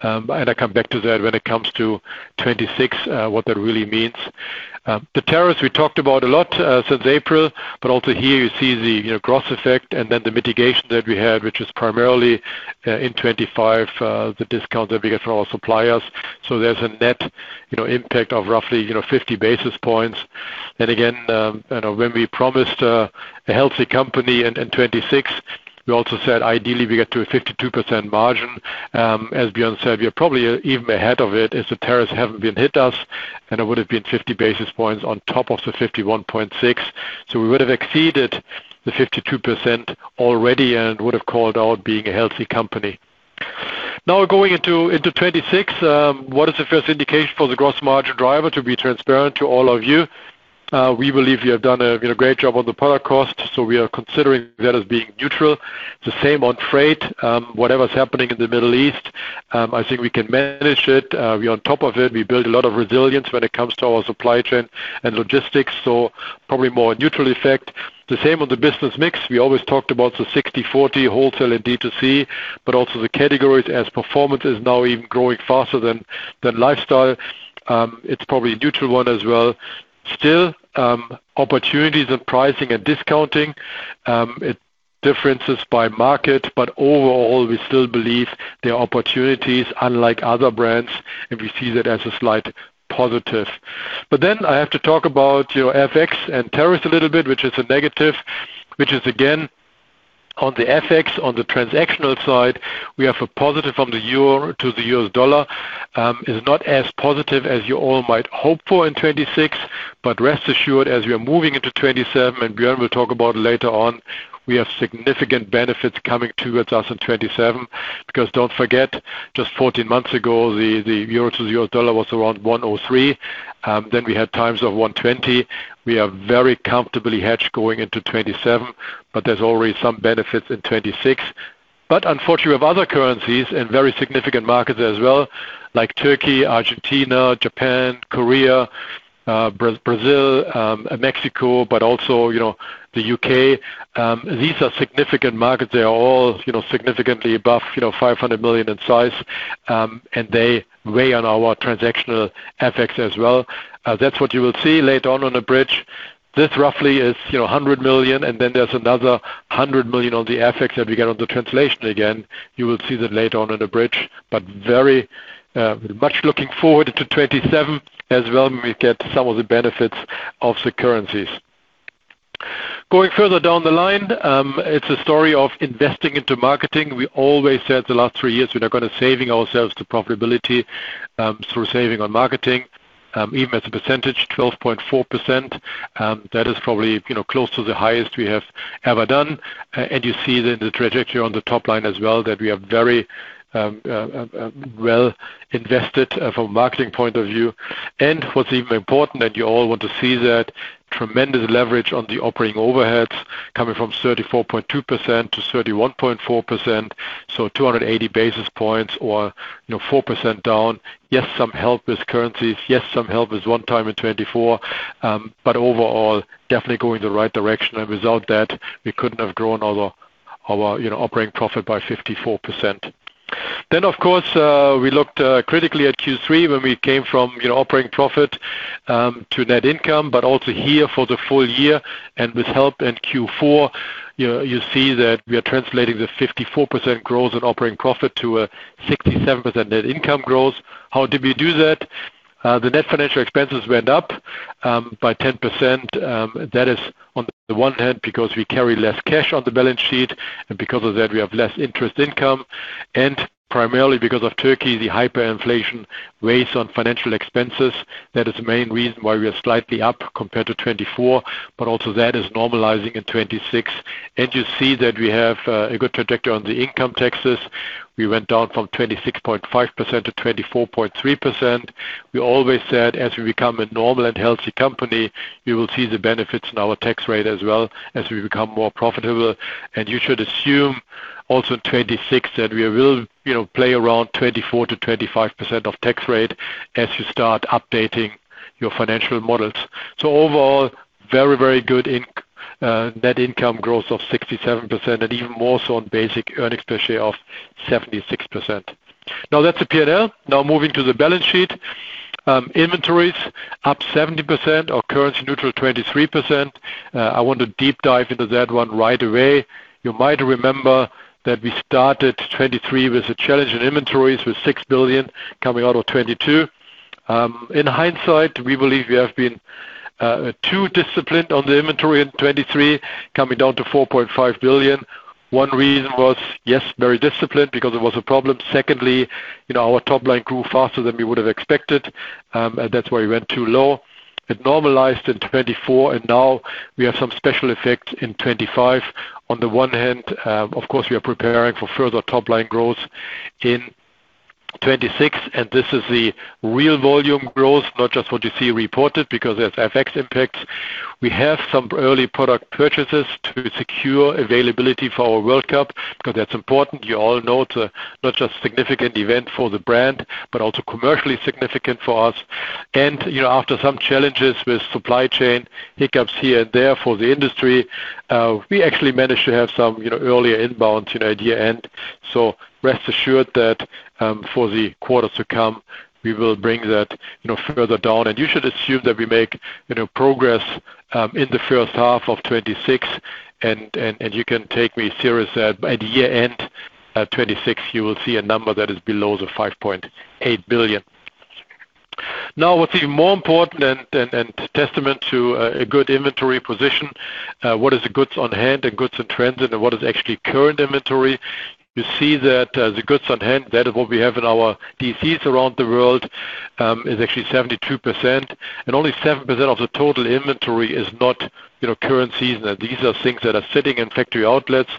[SPEAKER 5] And I come back to that when it comes to 2026, what that really means. The tariffs we talked about a lot since April, but also here you see the, you know, gross effect and then the mitigation that we had, which is primarily in 2025, the discount that we get from our suppliers. There's a net, you know, impact of roughly, you know, 50 basis points. Again, you know, when we promised a healthy company in 2026, we also said ideally we get to a 52% margin. As Bjørn said, we are probably even ahead of it as the tariffs haven't been hit us, and it would have been 50 basis points on top of the 51.6. We would have exceeded the 52% already and would have called out being a healthy company. Now going into 2026, what is the first indication for the gross margin driver to be transparent to all of you? We believe we have done a, you know, great job on the product cost, we are considering that as being neutral. The same on freight. Whatever's happening in the Middle East, I think we can manage it. We're on top of it. We build a lot of resilience when it comes to our supply chain and logistics. Probably more neutral effect. The same on the business mix. We always talked about the 60/40 wholesale in D2C, but also the categories as performance is now even growing faster than lifestyle. It's probably a neutral one as well. Still, opportunities in pricing and discounting, it differences by market, but overall, we still believe there are opportunities unlike other brands, and we see that as a slight positive. I have to talk about, you know, FX and tariffs a little bit, which is a negative, which is again, on the FX, on the transactional side, we have a positive from the EUR to the USD is not as positive as you all might hope for in 2026, but rest assured, as we are moving into 2027, and Bjørn will talk about it later on, we have significant benefits coming towards us in 2027. Because don't forget, just 14 months ago, the EUR to the USD was around 103. Then we had times of 120. We are very comfortably hedged going into 2027, but there's already some benefits in 2026. Unfortunately, we have other currencies in very significant markets as well, like Turkey, Argentina, Japan, Korea, Brazil, Mexico, but also, you know, the U.K.. These are significant markets. They are all, you know, significantly above, you know, 500 million in size, and they weigh on our transactional FX as well. That's what you will see later on on the bridge. This roughly is, you know, 100 million, and then there's another 100 million on the FX that we get on the translation again. You will see that later on in the bridge, but very much looking forward to 2027 as well when we get some of the benefits of the currencies. Going further down the line, it's a story of investing into marketing. We always said the last three years we're not going to saving ourselves to profitability, through saving on marketing. Even as a percentage, 12.4%, that is probably, you know, close to the highest we have ever done. You see that the trajectory on the top line as well, that we are very well invested from a marketing point of view. What's even important that you all want to see that tremendous leverage on the operating overheads coming from 34.2%-31.4%. 280 basis points or, you know, 4% down. Yes, some help with currencies. Yes, some help with one time in 2024, overall definitely going the right direction. Without that, we couldn't have grown our, you know, operating profit by 54%. Of course, we looked critically at Q3 when we came from, you know, operating profit to net income, but also here for the full year and with help in Q4. You see that we are translating the 54% growth in operating profit to a 67% net income growth. How did we do that? The net financial expenses went up by 10%. That is on the one hand, because we carry less cash on the balance sheet, and because of that, we have less interest income. Primarily because of Turkey, the hyperinflation weighs on financial expenses. That is the main reason why we are slightly up compared to 2024, but also that is normalizing in 2026. You see that we have a good trajectory on the income taxes. We went down from 26.5%-24.3%. We always said, as we become a normal and healthy company, we will see the benefits in our tax rate as well as we become more profitable. You should assume also in 2026 that we will, you know, play around 24%-25% of tax rate as you start updating your financial models. Overall, very, very good net income growth of 67% and even more so on basic earnings per share of 76%. That's the P&L. Moving to the balance sheet. Inventories up 70% or currency neutral, 23%. I want to deep dive into that one right away. You might remember that we started 2023 with a challenge in inventories with 6 billion coming out of 2022. In hindsight, we believe we have been too disciplined on the inventory in 2023, coming down to 4.5 billion. One reason was, yes, very disciplined because it was a problem. Secondly, you know, our top line grew faster than we would have expected, and that's why we went too low. It normalized in 2024. Now we have some special effects in 2025. On the one hand, of course, we are preparing for further top line growth in 2026. This is the real volume growth, not just what you see reported because there's FX impacts. We have some early product purchases to secure availability for our World Cup because that's important. You all know it's not just a significant event for the brand, but also commercially significant for us. You know, after some challenges with supply chain hiccups here and there for the industry, we actually managed to have some, you know, earlier inbound to the year-end. Rest assured that, for the quarters to come, we will bring that, you know, further down. You should assume that we make, you know, progress in the first half of 2026. You can take me serious that by the year-end 2026, you will see a number that is below 5.8 billion. What's even more important and testament to a good inventory position, what is the goods on hand and goods in transit and what is actually current inventory? You see that, the goods on hand, that is what we have in our DCs around the world, is actually 72%. Only 7% of the total inventory is not, you know, currencies. These are things that are sitting in factory outlets.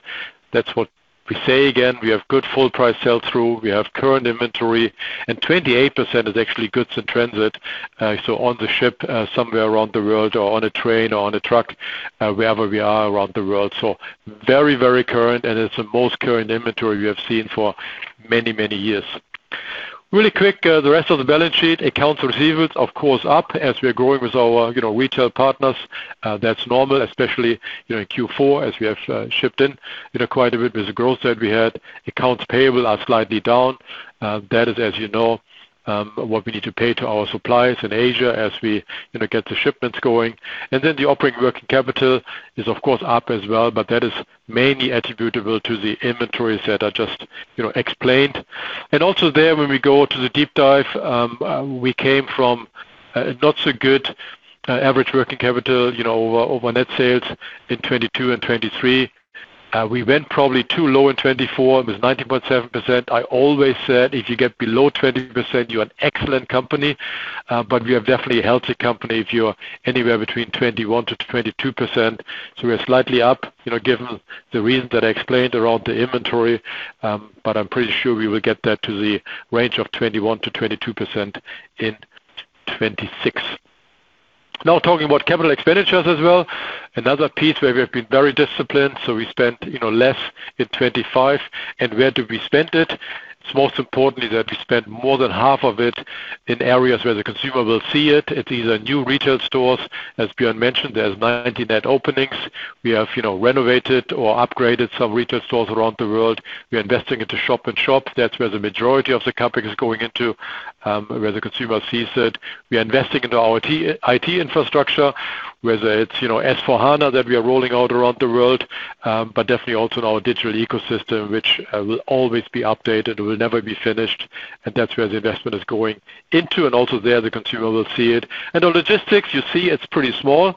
[SPEAKER 5] That's what we say again. We have good full price sell-through. We have current inventory. 28% is actually goods in transit, so on the ship, somewhere around the world or on a train or on a truck, wherever we are around the world. Very, very current, and it's the most current inventory we have seen for many, many years. Really quick, the rest of the balance sheet. Accounts receivable, of course, up as we are growing with our, you know, retail partners. That's normal, especially, you know, in Q4 as we have shipped in, you know, quite a bit with the growth that we had. Accounts payable are slightly down. That is, as you know, what we need to pay to our suppliers in Asia as we, you know, get the shipments going. The operating working capital is of course up as well, but that is mainly attributable to the inventories that I just, you know, explained. When we go to the deep dive, we came from a not so good average working capital, you know, over net sales in 2022 and 2023. We went probably too low in 2024. It was 90.7%. I always said, if you get below 20%, you're an excellent company, but we are definitely a healthy company if you are anywhere between 21%-22%. We are slightly up, you know, given the reason that I explained around the inventory, but I'm pretty sure we will get that to the range of 21%-22% in 2026. Talking about capital expenditures as well. Another piece where we have been very disciplined, we spent, you know, less in 2025. Where do we spend it? It's most importantly that we spend more than half of it in areas where the consumer will see it. It is a new retail stores. As Björn mentioned, there's 90 net openings. We have, you know, renovated or upgraded some retail stores around the world. We are investing into shop and shop. That's where the majority of the CapEx is going into, where the consumer sees it. We are investing into our IT infrastructure, whether it's, you know, S/4HANA that we are rolling out around the world, but definitely also in our digital ecosystem, which will always be updated, will never be finished. That's where the investment is going into. Also there, the consumer will see it. On logistics, you see it's pretty small.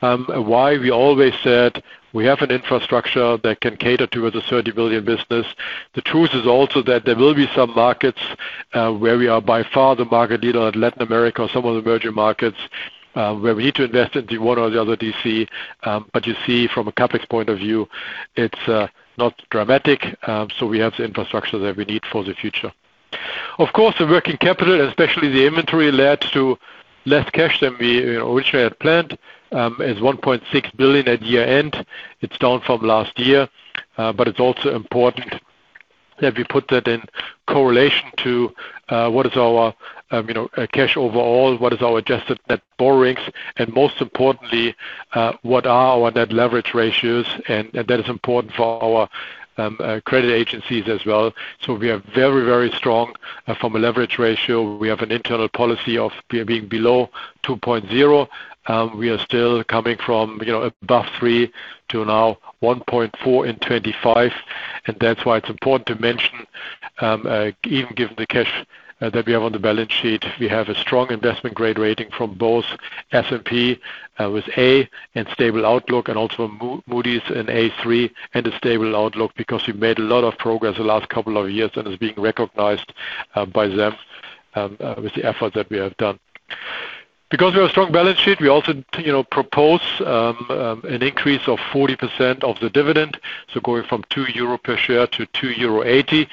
[SPEAKER 5] Why we always said we have an infrastructure that can cater towards a 30 billion business. The truth is also that there will be some markets where we are by far the market leader in Latin America or some of the emerging markets where we need to invest in one or the other DC. You see from a CapEx point of view, it's not dramatic. We have the infrastructure that we need for the future. Of course, the working capital, especially the inventory, led to less cash than we originally had planned. It's 1.6 billion at year-end. It's down from last year. It's also important that we put that in correlation to what is our, you know, cash overall, what is our adjusted net borrowings, and most importantly, what are our net leverage ratios, and that is important for our credit agencies as well. We are very, very strong from a leverage ratio. We have an internal policy of being below 2.0. We are still coming from, you know, above three to now 1.4 in 2025. That's why it's important to mention, even given the cash that we have on the balance sheet, we have a strong investment-grade rating from both S&P, with A and stable outlook and also Moody's and A3 and a stable outlook because we've made a lot of progress the last couple of years and is being recognized by them with the effort that we have done. Because we have a strong balance sheet, we also, you know, propose an increase of 40% of the dividend, so going from 2 euro per share to 2.80 euro.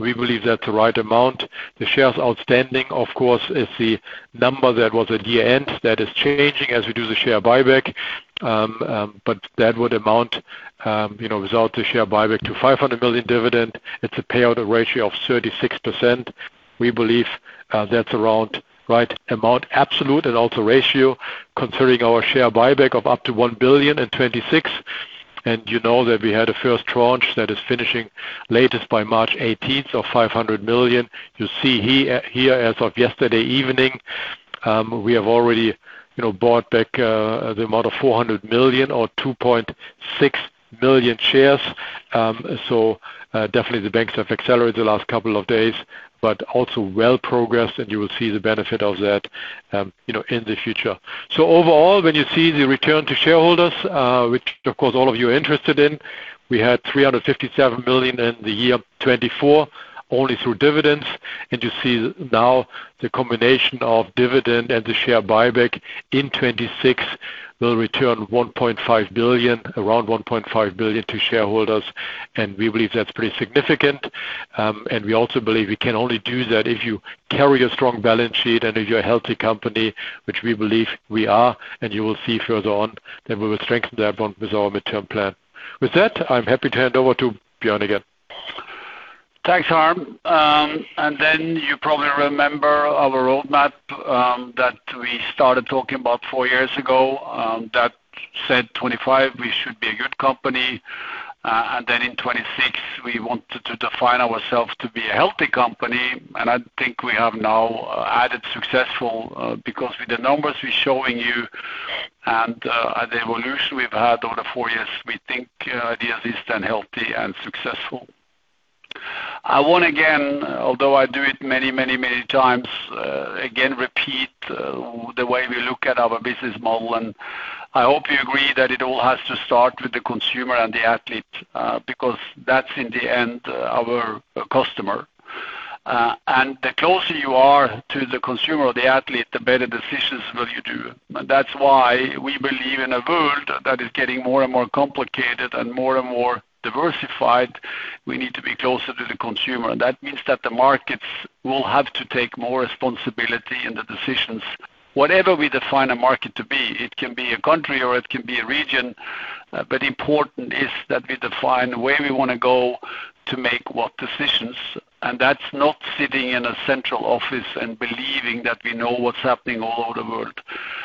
[SPEAKER 5] We believe that's the right amount. The shares outstanding, of course, is the number that was at year-end. That is changing as we do the share buyback. But that would amount, you know, result to share buyback to 500 million dividend. It's a payout ratio of 36%. We believe that's around right amount absolute and also ratio considering our share buyback of up to 1 billion in 2026. You know that we had a first tranche that is finishing latest by March 18th of 500 million. You see here, as of yesterday evening, we have already, you know, bought back the amount of 400 million or 2.6 million shares. Definitely the banks have accelerated the last couple of days, but also well progressed, and you will see the benefit of that, you know, in the future. Overall, when you see the return to shareholders, which of course all of you are interested in, we had 357 million in the year 2024 only through dividends. You see now the combination of dividend and the share buyback in 2026 will return 1.5 billion, around 1.5 billion to shareholders. We believe that's pretty significant. We also believe we can only do that if you carry a strong balance sheet and if you're a healthy company, which we believe we are. You will see further on that we will strengthen that bond with our midterm plan. With that, I'm happy to hand over to Bjørn again.
[SPEAKER 4] Thanks, Harm. You probably remember our roadmap that we started talking about four years ago that said 2025 we should be a good company. In 2026 we wanted to define ourselves to be a healthy company. We have now added successful because with the numbers we're showing you and the evolution we've had over the four years, we think adidas stand healthy and successful. I want again, although I do it many, many, many times, again, repeat the way we look at our business model, and I hope you agree that it all has to start with the consumer and the athlete because that's in the end our customer. The closer you are to the consumer or the athlete, the better decisions will you do. That's why we believe in a world that is getting more and more complicated and more and more diversified, we need to be closer to the consumer. That means that the markets will have to take more responsibility in the decisions. Whatever we define a market to be, it can be a country or it can be a region, but important is that we define where we wanna go to make what decisions. That's not sitting in a central office and believing that we know what's happening all over the world.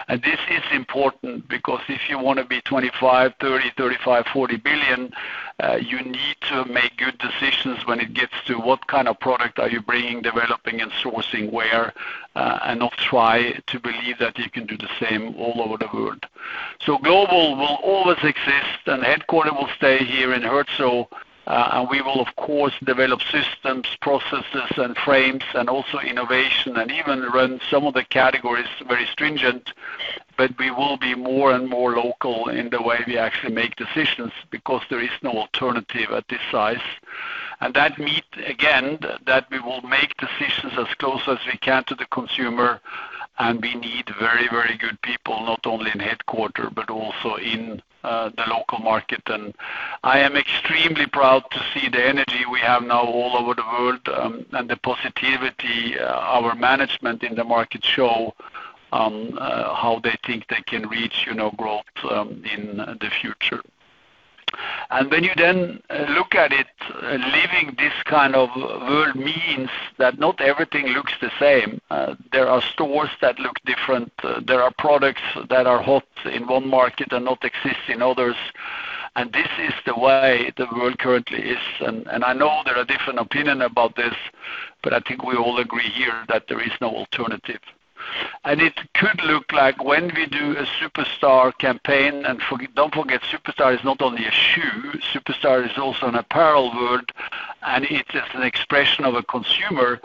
[SPEAKER 4] This is important because if you wanna be 25 billion, 30 billion, 35 billion, 40 billion, you need to make good decisions when it gets to what kind of product are you bringing, developing and sourcing where, and not try to believe that you can do the same all over the world. Global will always exist and headquarter will stay here in Herzogenaurach. We will of course develop systems, processes and frames and also innovation and even run some of the categories very stringent. We will be more and more local in the way we actually make decisions because there is no alternative at this size. That means, again, that we will make decisions as close as we can to the consumer. We need very, very good people, not only in headquarter, but also in the local market. I am extremely proud to see the energy we have now all over the world and the positivity our management in the market show how they think they can reach, you know, growth in the future. When you then look at it, living this kind of world means that not everything looks the same. There are stores that look different. There are products that are hot in one market and not exist in others. This is the way the world currently is. I know there are different opinion about this, but I think we all agree here that there is no alternative. It could look like when we do a Superstar campaign, and don't forget, Superstar is not only a shoe, Superstar is also an apparel world. And it is an expression of a consumer,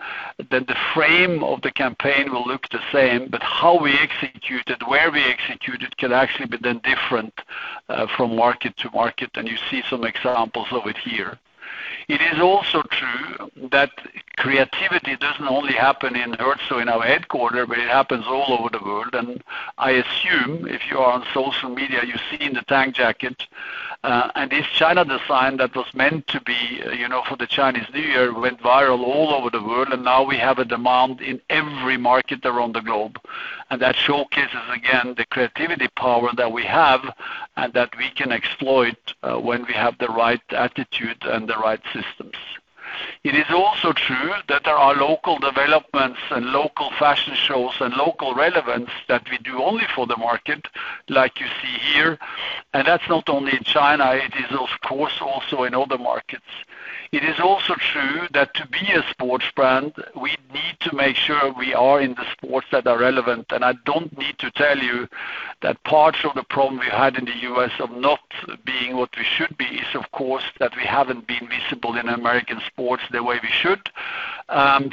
[SPEAKER 4] then the frame of the campaign will look the same. How we execute it, where we execute it, can actually be then different from market to market, and you see some examples of it here. It is also true that creativity doesn't only happen in Herzogenaurach, in our headquarter, but it happens all over the world. I assume if you are on social media, you've seen the Tang jacket. This China design that was meant to be, you know, for the Chinese New Year went viral all over the world, and now we have a demand in every market around the globe. That showcases, again, the creativity power that we have and that we can exploit, when we have the right attitude and the right systems. It is also true that there are local developments and local fashion shows and local relevance that we do only for the market, like you see here. That's not only in China, it is of course also in other markets. It is also true that to be a sports brand, we need to make sure we are in the sports that are relevant. I don't need to tell you that parts of the problem we had in the U.S. of not being what we should be is of course, that we haven't been visible in American sports the way we should,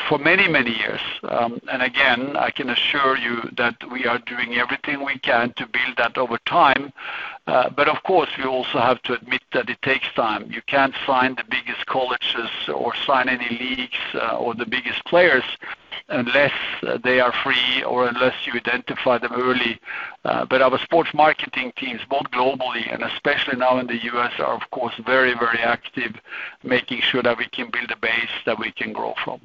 [SPEAKER 4] for many, many years. Again, I can assure you that we are doing everything we can to build that over time. Of course, we also have to admit that it takes time. You can't sign the biggest colleges or sign any leagues, or the biggest players unless they are free or unless you identify them early. Our sports marketing teams, both globally and especially now in the U.S., are of course very, very active, making sure that we can build a base that we can grow from.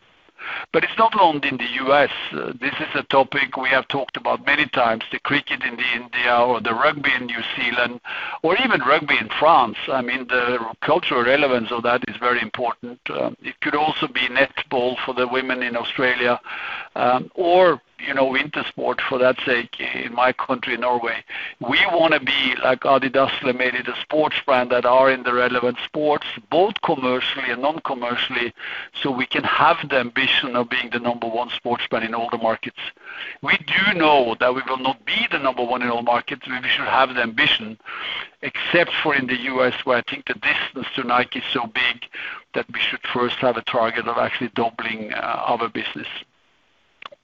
[SPEAKER 4] It's not only in the U.S. This is a topic we have talked about many times, the cricket in India or the rugby in New Zealand or even rugby in France. I mean, the cultural relevance of that is very important. It could also be netball for the women in Australia, or, you know, winter sports for that sake, in my country, Norway. We wanna be like adidas and Nike, the sports brand that are in the relevant sports, both commercially and non-commercially, so we can have the ambition of being the number one sports brand in all the markets. We do know that we will not be the number one in all markets. We should have the ambition, except for in the U.S., where I think the distance to Nike is so big that we should first have a target of actually doubling our business.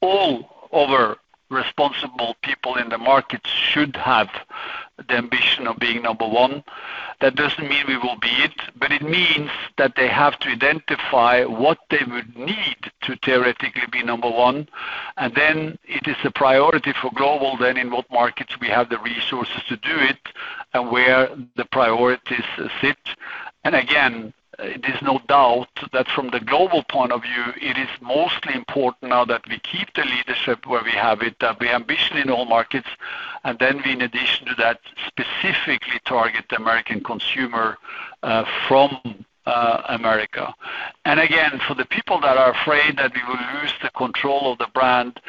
[SPEAKER 4] All other responsible people in the market should have the ambition of being number one. That doesn't mean we will be it, but it means that they have to identify what they would need to theoretically be number one, and then it is a priority for global then in what markets we have the resources to do it and where the priorities sit. Again, there's no doubt that from the global point of view, it is mostly important now that we keep the leadership where we have it, that we ambition in all markets, and then we, in addition to that, specifically target the American consumer from America. Again, for the people that are afraid that we will lose the control of the brand,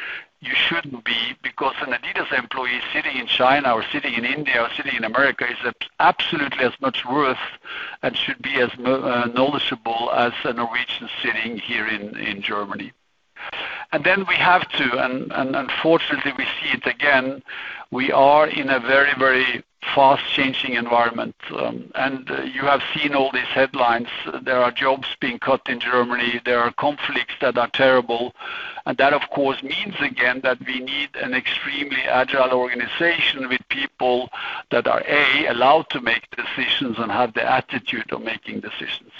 [SPEAKER 4] you shouldn't be, because an adidas employee sitting in China or sitting in India or sitting in America is absolutely as much worth and should be as knowledgeable as a Norwegian sitting here in Germany. Then we have to, and unfortunately, we see it again, we are in a very, very fast changing environment. You have seen all these headlines. There are jobs being cut in Germany. There are conflicts that are terrible. That, of course, means, again, that we need an extremely agile organization with people that are, A, allowed to make decisions and have the attitude of making decisions.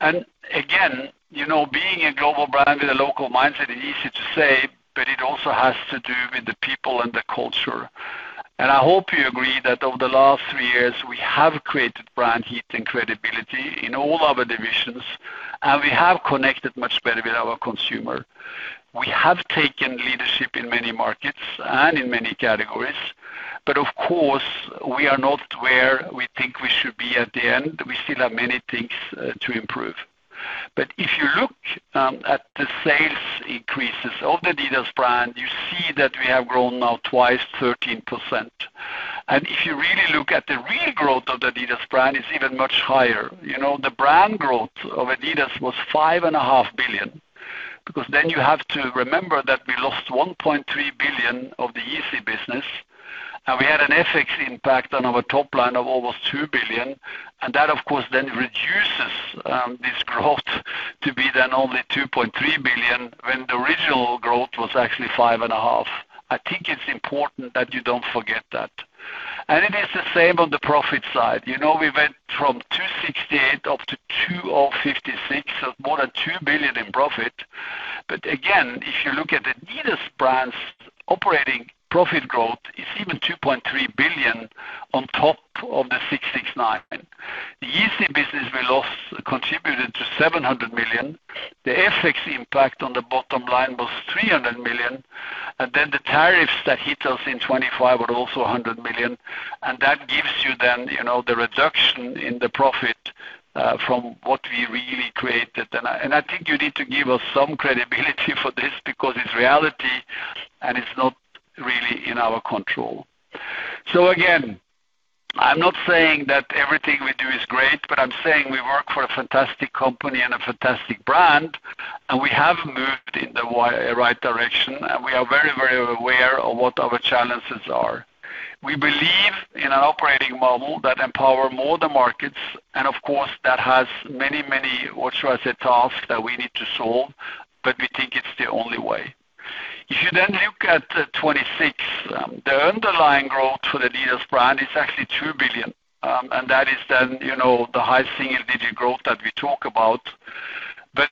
[SPEAKER 4] Again, you know, being a global brand with a local mindset is easy to say, but it also has to do with the people and the culture. I hope you agree that over the last three years, we have created brand heat and credibility in all our divisions, and we have connected much better with our consumer. We have taken leadership in many markets and in many categories. Of course, we are not where we think we should be at the end. We still have many things to improve. If you look at the sales increases of the adidas brand, you see that we have grown now twice 13%. If you really look at the real growth of the adidas brand, it's even much higher. You know, the brand growth of adidas was five and a half billion. You have to remember that we lost 1.3 billion of the Yeezy business, and we had an FX impact on our top line of almost 2 billion. That, of course, then reduces this growth to be then only 2.3 billion, when the original growth was actually 5.5 billion. I think it's important that you don't forget that. It is the same on the profit side. You know, we went from 2.68 billion up to 2.056 billion, so more than 2 billion in profit. Again, if you look at adidas brand's operating profit growth is even 2.3 billion on top of the 669 million. The Yeezy business we lost contributed to 700 million. The FX impact on the bottom line was 300 million. The tariffs that hit us in 2025 were also 100 million. That gives you then, you know, the reduction in the profit from what we really created. I think you need to give us some credibility for this because it's reality, and it's not really in our control. Again, I'm not saying that everything we do is great, but I'm saying we work for a fantastic company and a fantastic brand, and we have moved in the right direction, and we are very, very aware of what our challenges are. We believe in an operating model that empower more the markets and of course that has many, many, what should I say, tasks that we need to solve, but we think it's the only way. If you look at the 2026, the underlying growth for adidas brand is actually 2 billion. That is then, you know, the high single-digit growth that we talk about.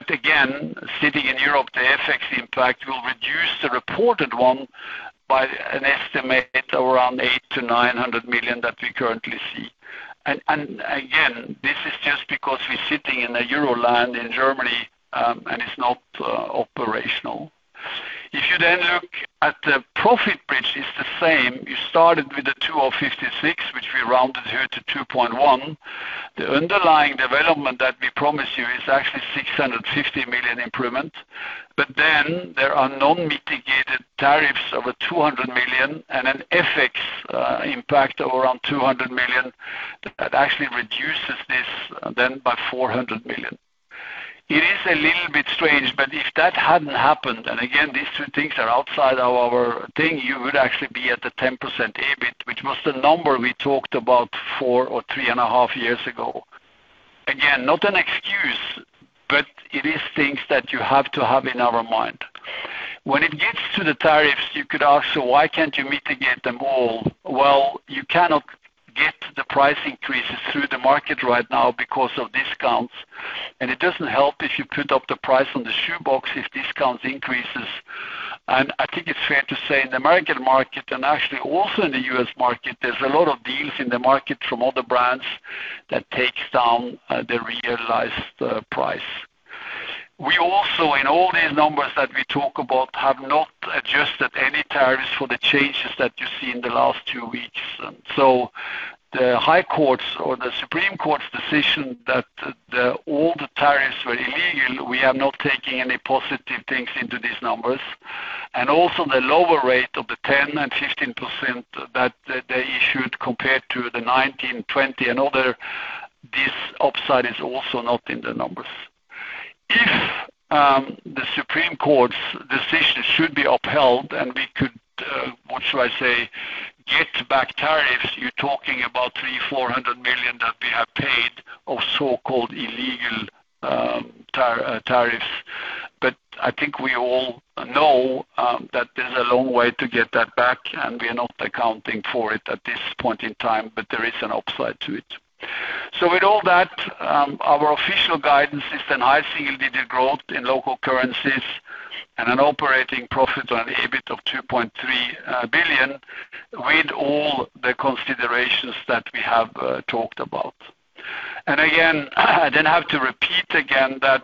[SPEAKER 4] Again, sitting in Europe, the FX impact will reduce the reported one by an estimate at around 800 million-900 million that we currently see. Again, this is just because we're sitting in a Euroland in Germany, and it's not operational. If you look at the profit bridge, it's the same. You started with the 256, which we rounded here to 2.1. The underlying development that we promised you is actually 650 million improvement. There are non-mitigated tariffs of 200 million and an FX impact of around 200 million that actually reduces this then by 400 million. It is a little bit strange, but if that hadn't happened, and again, these two things are outside our thing, you would actually be at the 10% EBIT, which was the number we talked about four or 3.5 years ago. Again, not an excuse, but it is things that you have to have in our mind. When it gets to the tariffs, you could ask, "Why can't you mitigate them all?" Well, you cannot get the price increases through the market right now because of discounts, and it doesn't help if you put up the price on the shoe box if discounts increases. I think it's fair to say in the American market and actually also in the U.S. market, there's a lot of deals in the market from other brands that takes down the realized price. We also, in all these numbers that we talk about, have not adjusted any tariffs for the changes that you see in the last two weeks. The High Court's or the Supreme Court's decision that all the tariffs were illegal, we are not taking any positive things into these numbers. The lower rate of the 10% and 15% that they issued compared to the 19, 20 and other, this upside is also not in the numbers. If the Supreme Court's decision should be upheld and we could, what should I say, get back tariffs, you're talking about 300 million-400 million that we have paid of so-called illegal tariffs. I think we all know that there's a long way to get that back, and we are not accounting for it at this point in time. There is an upside to it. With all that, our official guidance is then high single-digit growth in local currencies and an operating profit on EBIT of 2.3 billion with all the considerations that we have talked about. Again, then I have to repeat again that,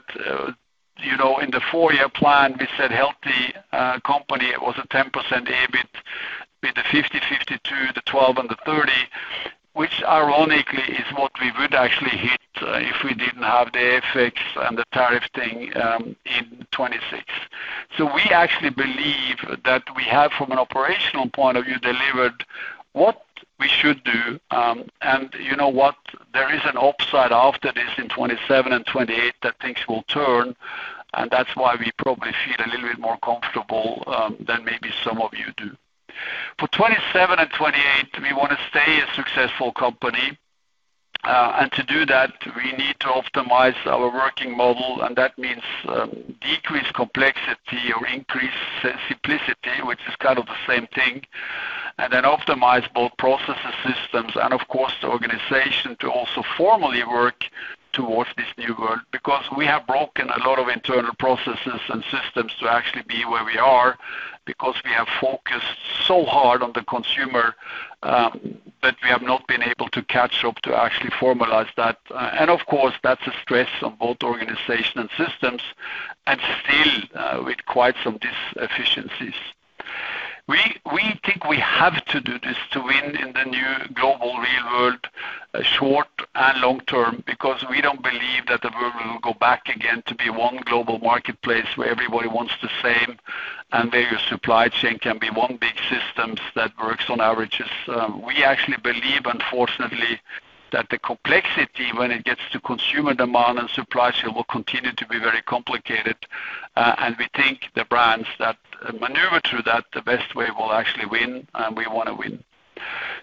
[SPEAKER 4] you know, in the four-year plan, we said healthy, company, it was a 10% EBIT with the 50/50 to the 12 and the 30, which ironically is what we would actually hit if we didn't have the FX and the tariff thing, in 2026. We actually believe that we have, from an operational point of view, delivered what we should do. You know what? There is an upside after this in 2027 and 2028 that things will turn, and that's why we probably feel a little bit more comfortable than maybe some of you do. For 2027 and 2028, we wanna stay a successful company. To do that, we need to optimize our working model, and that means, decrease complexity or increase simplicity, which is kind of the same thing, and then optimize both processes, systems, and of course, the organization to also formally work towards this new world. We have broken a lot of internal processes and systems to actually be where we are because we have focused so hard on the consumer, that we have not been able to catch up to actually formalize that. Of course, that's a stress on both organization and systems and still, with quite some efficiencies. We think we have to do this to win in the new global real world, short and long term, because we don't believe that the world will go back again to be one global marketplace where everybody wants the same and where your supply chain can be one big systems that works on averages. We actually believe, unfortunately, that the complexity when it gets to consumer demand and supply chain will continue to be very complicated. We think the brands that maneuver through that, the best way will actually win, and we wanna win.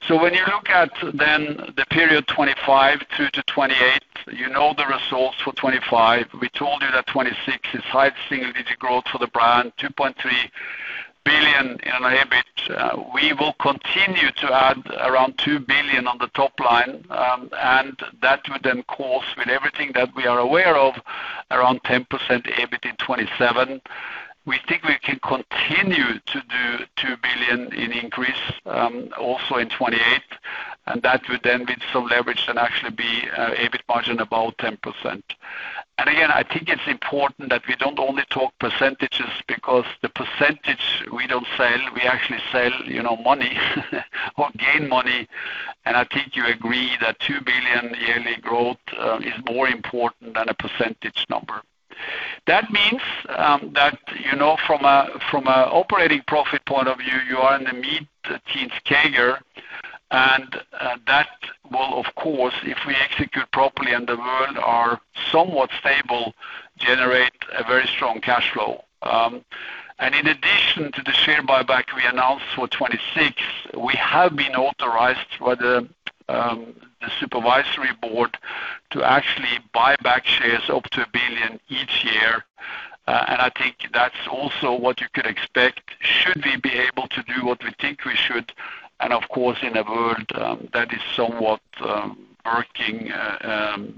[SPEAKER 4] When you look at then the period 2025 through to 2028, you know the results for 2025. We told you that 2026 is high single-digit growth for the brand, 2.3 billion in EBIT. We will continue to add around 2 billion on the top line, that would then course with everything that we are aware of around 10% EBIT in 2027. We think we can continue to do 2 billion in increase also in 2028, that would then with some leverage than actually be EBIT margin about 10%. Again, I think it's important that we don't only talk percentages because the percentage we don't sell, we actually sell, you know, money or gain money. I think you agree that 2 billion yearly growth is more important than a percentage number. That means, you know, from a operating profit point of view, you are in the mid-teens CAGR, that will, of course, if we execute properly and the world are somewhat stable, generate a very strong cash flow. In addition to the share buyback we announced for 2026, we have been authorized by the Supervisory Board to actually buy back shares up to 1 billion each year. I think that's also what you can expect should we be able to do what we think we should, and of course, in a world that is somewhat working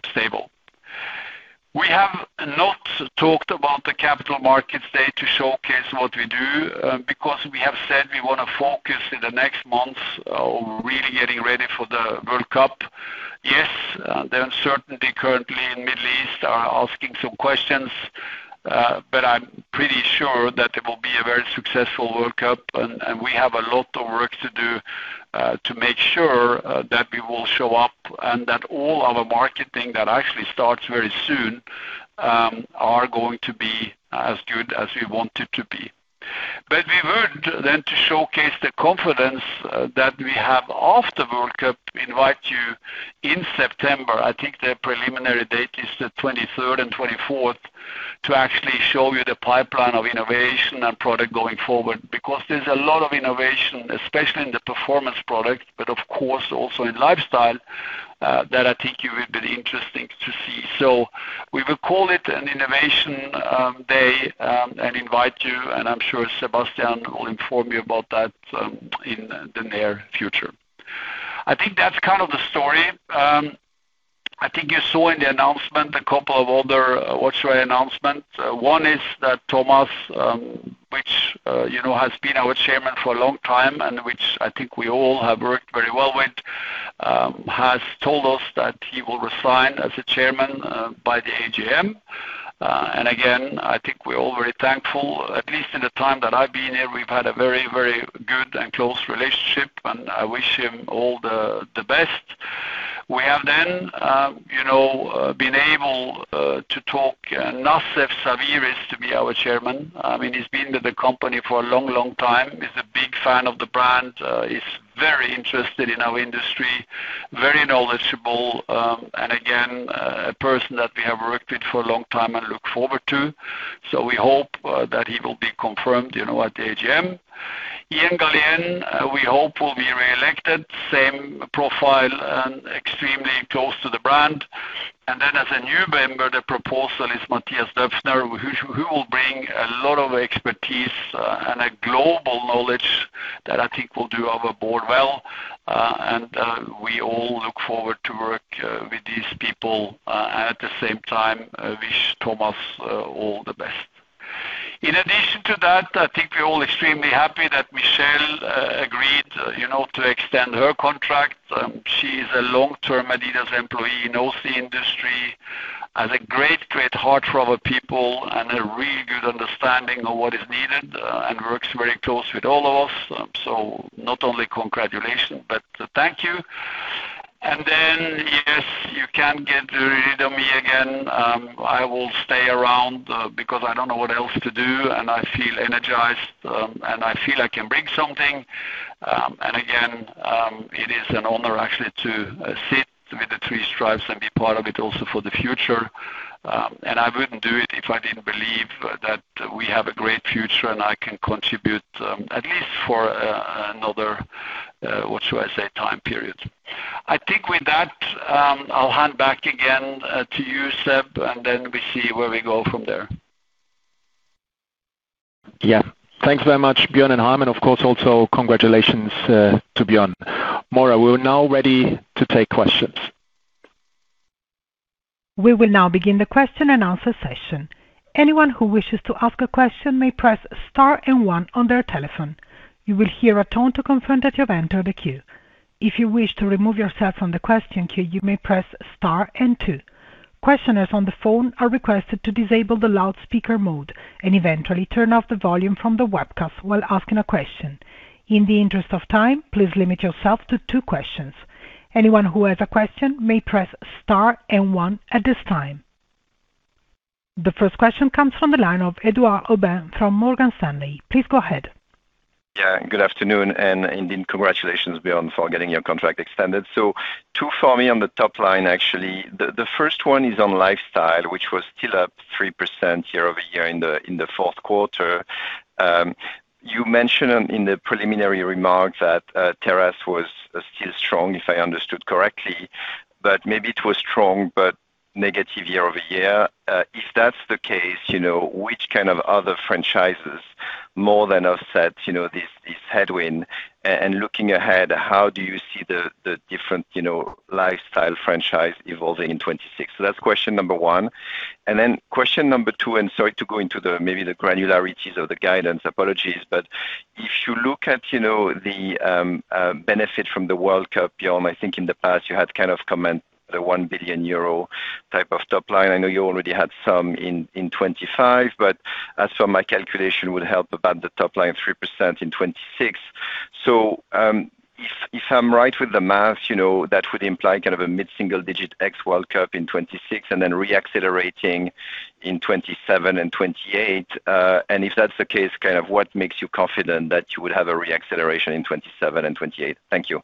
[SPEAKER 4] stable. We have not talked about the Capital Markets Day to showcase what we do, because we have said we wanna focus in the next months on really getting ready for the World Cup. Yes, the uncertainty currently in Middle East are asking some questions, but I'm pretty sure that it will be a very successful World Cup, and we have a lot of work to do to make sure that we will show up and that all our marketing that actually starts very soon, are going to be as good as we want it to be. We would then to showcase the confidence that we have after World Cup invite you in September, I think the preliminary date is the 23rd and 24th, to actually show you the pipeline of innovation and product going forward. There's a lot of innovation, especially in the performance product, but of course also in lifestyle, that I think you will be interesting to see. We will call it an innovation day and invite you, and I'm sure Sebastian will inform you about that in the near future. I think that's kind of the story. I think you saw in the announcement a couple of other what should I announcement. One is that Thomas, you know, has been our chairman for a long time and which I think we all have worked very well with, has told us that he will resign as the chairman by the AGM. Again, I think we're all very thankful. At least in the time that I've been here, we've had a very, very good and close relationship, and I wish him all the best. We have, you know, been able to talk Nassef Sawiris to be our Chairman. I mean, he's been with the company for a long, long time. He's a big fan of the brand. He's very interested in our industry, very knowledgeable, and again, a person that we have worked with for a long time and look forward to. We hope that he will be confirmed, you know, at the AGM. Ian Gallienne, we hope, will be reelected, same profile and extremely close to the brand. As a new member, the proposal is Matthias Döpfner, who will bring a lot of expertise and a global knowledge that I think will do our board well. We all look forward to work with these people and at the same time wish Thomas all the best. In addition to that, I think we're all extremely happy that Michelle agreed, you know, to extend her contract. She is a long-term adidas employee, knows the industry, has a great heart for our people and a really good understanding of what is needed and works very close with all of us. Not only congratulations, but thank you. Yes, you can get rid of me again. I will stay around because I don't know what else to do, and I feel energized, and I feel I can bring something. Again, it is an honor actually to sit with the three stripes and be part of it also for the future. I wouldn't do it if I didn't believe that we have a great future, and I can contribute, at least for another, what should I say, time period. I think with that, I'll hand back again to you, Seb, and then we see where we go from there.
[SPEAKER 2] Thanks very much, Björn and Harm. Of course, also congratulations, to Björn. Maura, we're now ready to take questions.
[SPEAKER 1] We will now begin the question and answer session. Anyone who wishes to ask a question may press star and one on their telephone. You will hear a tone to confirm that you have entered a queue. If you wish to remove yourself from the question queue, you may press star and two. Questioners on the phone are requested to disable the loudspeaker mode and eventually turn off the volume from the webcast while asking a question. In the interest of time, please limit yourself to twosquestions. Anyone who has a question may press star and one at this time. The first question comes from the line of Edouard Aubin from Morgan Stanley. Please go ahead.
[SPEAKER 6] Good afternoon, indeed, congratulations, Björn, for getting your contract extended. Two for me on the top line, actually. The first one is on lifestyle, which was still up 3% year-over-year in the 4th quarter. You mentioned in the preliminary remarks that Terrace was still strong, if I understood correctly, but maybe it was strong but negative year-over-year. If that's the case, you know, which kind of other franchises more than offset, you know, this headwind? Looking ahead, how do you see the different, you know, lifestyle franchise evolving in 2026? That's question number one. Question number two, sorry to go into the maybe the granularities of the guidance. Apologies. If you look at, you know, the benefit from the World Cup, Bjørn, I think in the past you had kind of comment the 1 billion euro type of top line. I know you already had some in 2025, but as for my calculation would help about the top line 3% in 2026. If I'm right with the math, you know, that would imply kind of a mid-single digit ex World Cup in 2026 and then reaccelerating in 2027 and 2028. And if that's the case, kind of what makes you confident that you would have a reacceleration in 2027 and 2028? Thank you.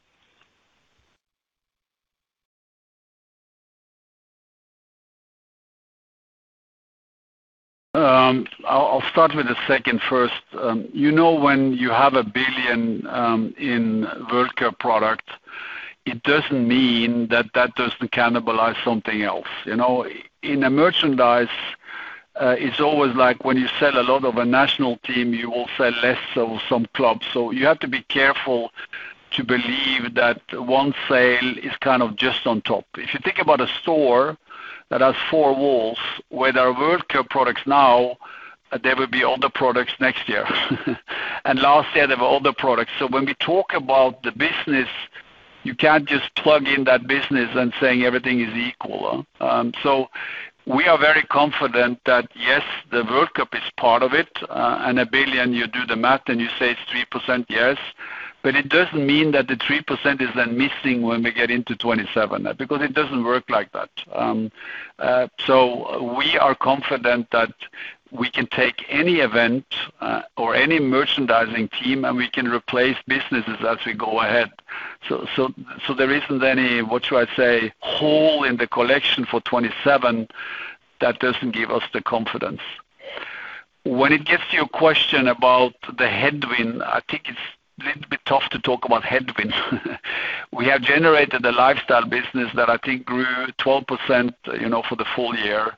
[SPEAKER 4] I'll start with the second first. You know, when you have 1 billion in World Cup product, it doesn't mean that that doesn't cannibalize something else. You know, in a merchandise, it's always like when you sell a lot of a national team, you will sell less of some clubs. You have to be careful to believe that one sale is kind of just on top. If you think about a store that has four walls, where there are World Cup products now, there will be other products next year. Last year, there were other products. When we talk about the business, you can't just plug in that business and saying everything is equal. So we are very confident that, yes, the World Cup is part of it, and 1 billion, you do the math and you say it's 3%, yes. It doesn't mean that the 3% is then missing when we get into 2027, because it doesn't work like that. We are confident that we can take any event or any merchandising team, and we can replace businesses as we go ahead. There isn't any, what should I say, hole in the collection for 27 that doesn't give us the confidence. When it gets to your question about the headwind, I think it's a little bit tough to talk about headwind. We have generated a lifestyle business that I think grew 12%, you know, for the full year.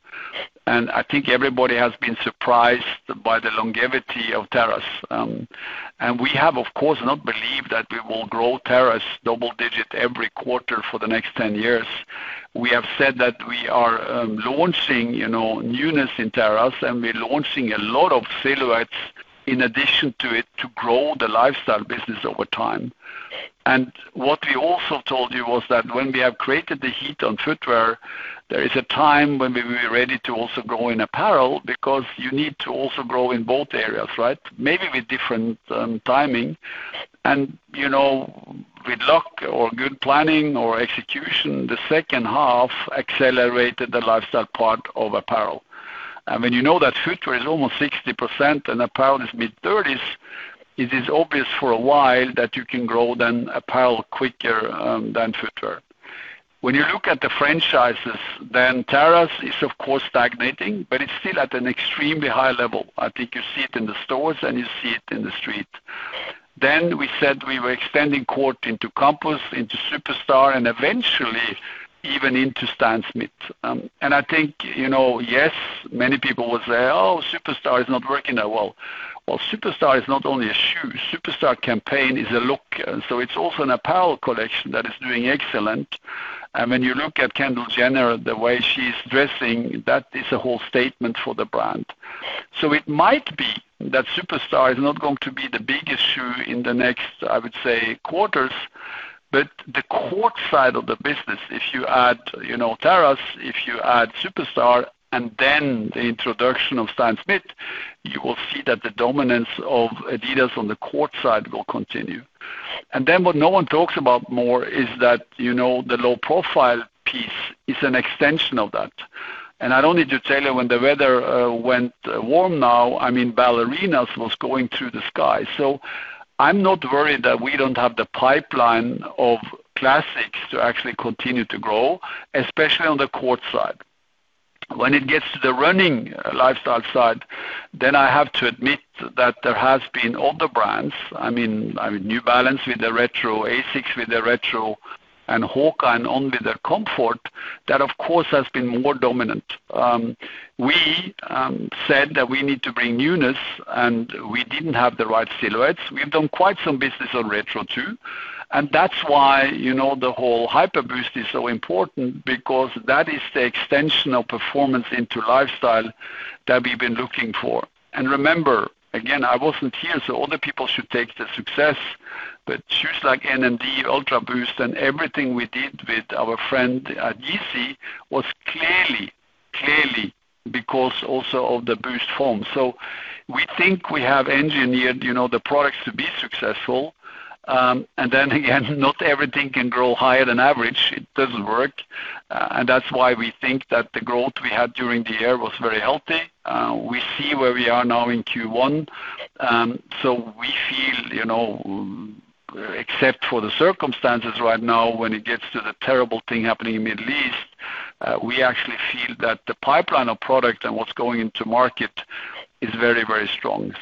[SPEAKER 4] I think everybody has been surprised by the longevity of Terrace. We have, of course, not believed that we will grow Terrace double-digit every quarter for the next 10 years. We have said that we are launching, you know, newness in Terrace, and we're launching a lot of silhouettes in addition to it to grow the lifestyle business over time. What we also told you was that when we have created the heat on footwear, there is a time when we will be ready to also grow in apparel because you need to also grow in both areas, right? Maybe with different timing. You know, with luck or good planning or execution, the second half accelerated the lifestyle part of apparel. When you know that footwear is almost 60% and apparel is mid-30s, it is obvious for a while that you can grow then apparel quicker than footwear. When you look at the franchises, then Terrace is of course stagnating, but it's still at an extremely high level. I think you see it in the stores, and you see it in the street. We said we were extending court into Campus, into Superstar, and eventually even into Stan Smith. I think, you know, yes, many people will say, "Oh, Superstar is not working that well." Well, Superstar is not only a shoe. Superstar campaign is a look. It's also an apparel collection that is doing excellent. When you look at Kendall Jenner, the way she's dressing, that is a whole statement for the brand. It might be that Superstar is not going to be the biggest shoe in the next, I would say, quarters. The court side of the business, if you add, you know, Terrace, if you add Superstar, and then the introduction of Stan Smith, you will see that the dominance of adidas on the court side will continue. What no one talks about more is that, you know, the low-profile piece is an extension of that. I don't need to tell you when the weather went warm now, I mean, ballerinas was going through the sky. I'm not worried that we don't have the pipeline of classics to actually continue to grow, especially on the court side. When it gets to the running lifestyle side, then I have to admit that there has been other brands. I mean, New Balance with the Retro, ASICS with the Retro, and HOKA and only their comfort, that of course has been more dominant. We said that we need to bring newness, and we didn't have the right silhouettes. We've done quite some business on Retro too. That's why, you know, the whole Hyperboost is so important because that is the extension of performance into lifestyle that we've been looking for. Remember, again, I wasn't here, so other people should take the success. Shoes like NMD, Ultraboost, and everything we did with our friend at Yeezy was clearly because also of the Boost form. We think we have engineered, you know, the products to be successful. Then again, not everything can grow higher than average. It doesn't work. That's why we think that the growth we had during the year was very healthy. We see where we are now in Q1. We feel, you know, except for the circumstances right now, when it gets to the terrible thing happening in Middle East, we actually feel that the pipeline of product and what's going into market is very, very strong.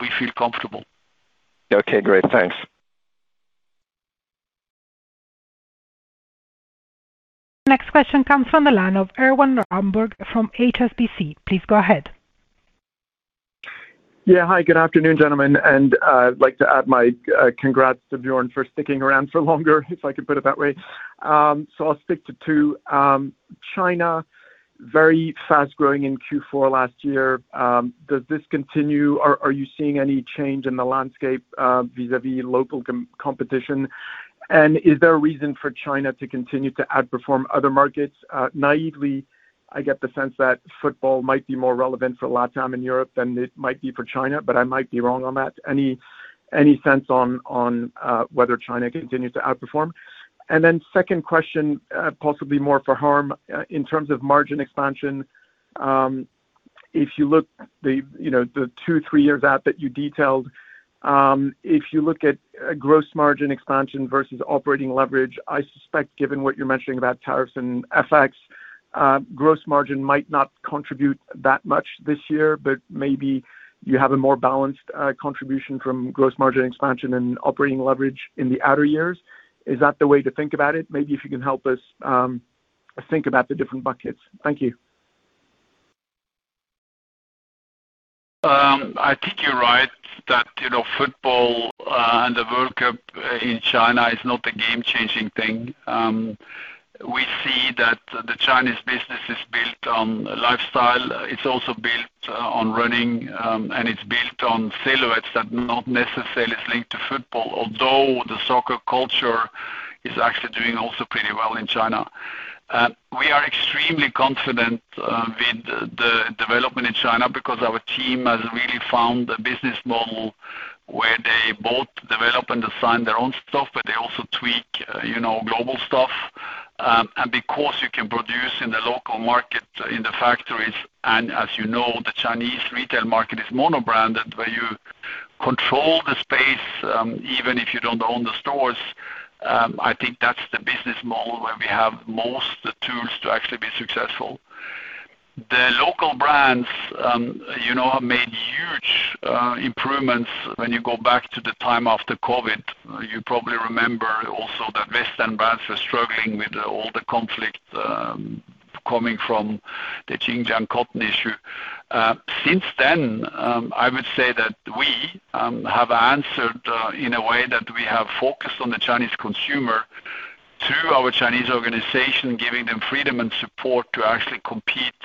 [SPEAKER 4] We feel comfortable.
[SPEAKER 6] Okay, great. Thanks.
[SPEAKER 1] Next question comes from the line of Erwan Rambourg from HSBC. Please go ahead.
[SPEAKER 7] Hi, good afternoon, gentlemen, I'd like to add my congrats to Bjørn for sticking around for longer, if I could put it that way. I'll stick to two. China, very fast-growing in Q4 last year. Does this continue? Are you seeing any change in the landscape, vis-a-vis local competition? Is there a reason for China to continue to outperform other markets? Naively, I get the sense that football might be more relevant for LatAm in Europe than it might be for China, I might be wrong on that. Any sense on whether China continues to outperform? Second question, possibly more for Harm. In terms of margin expansion, If you look the, you know, the two, three years out that you detailed, if you look at gross margin expansion versus operating leverage, I suspect given what you're mentioning about tariffs and FX, gross margin might not contribute that much this year, but maybe you have a more balanced contribution from gross margin expansion and operating leverage in the outer years. Is that the way to think about it? Maybe if you can help us think about the different buckets. Thank you.
[SPEAKER 4] I think you're right that, you know, football and the World Cup in China is not a game-changing thing. We see that the Chinese business is built on lifestyle. It's also built on running, and it's built on silhouettes that not necessarily is linked to football, although the soccer culture is actually doing also pretty well in China. We are extremely confident with the development in China because our team has really found a business model where they both develop and design their own stuff, but they also tweak, you know, global stuff. And because you can produce in the local market, in the factories, and as you know, the Chinese retail market is mono-branded, where you control the space, even if you don't own the stores, I think that's the business model where we have most the tools to actually be successful. The local brands, you know, have made huge improvements. When you go back to the time after COVID, you probably remember also that Western brands were struggling with all the conflict coming from the Xinjiang cotton issue. Since then, I would say that we have answered in a way that we have focused on the Chinese consumer through our Chinese organization, giving them freedom and support to actually compete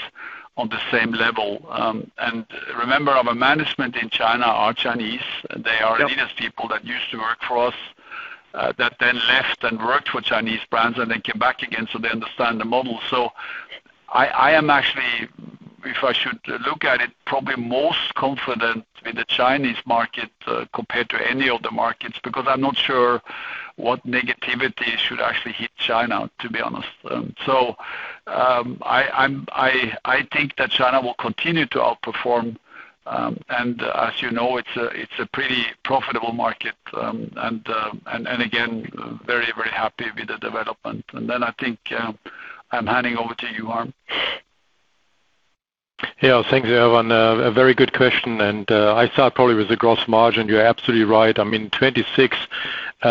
[SPEAKER 4] on the same level. And remember, our management in China are Chinese.
[SPEAKER 7] Yep.
[SPEAKER 4] They are adidas people that used to work for us, that then left and worked for Chinese brands and then came back again, so they understand the model. I am actually, if I should look at it, probably most confident in the Chinese market, compared to any of the markets, because I'm not sure what negativity should actually hit China, to be honest. I'm, I think that China will continue to outperform, and as you know, it's a, it's a pretty profitable market. And again, very, very happy with the development. I think, I'm handing over to you, Harm.
[SPEAKER 5] Thanks, Erwan. A very good question. I thought probably with the gross margin, you're absolutely right. I mean, 2026,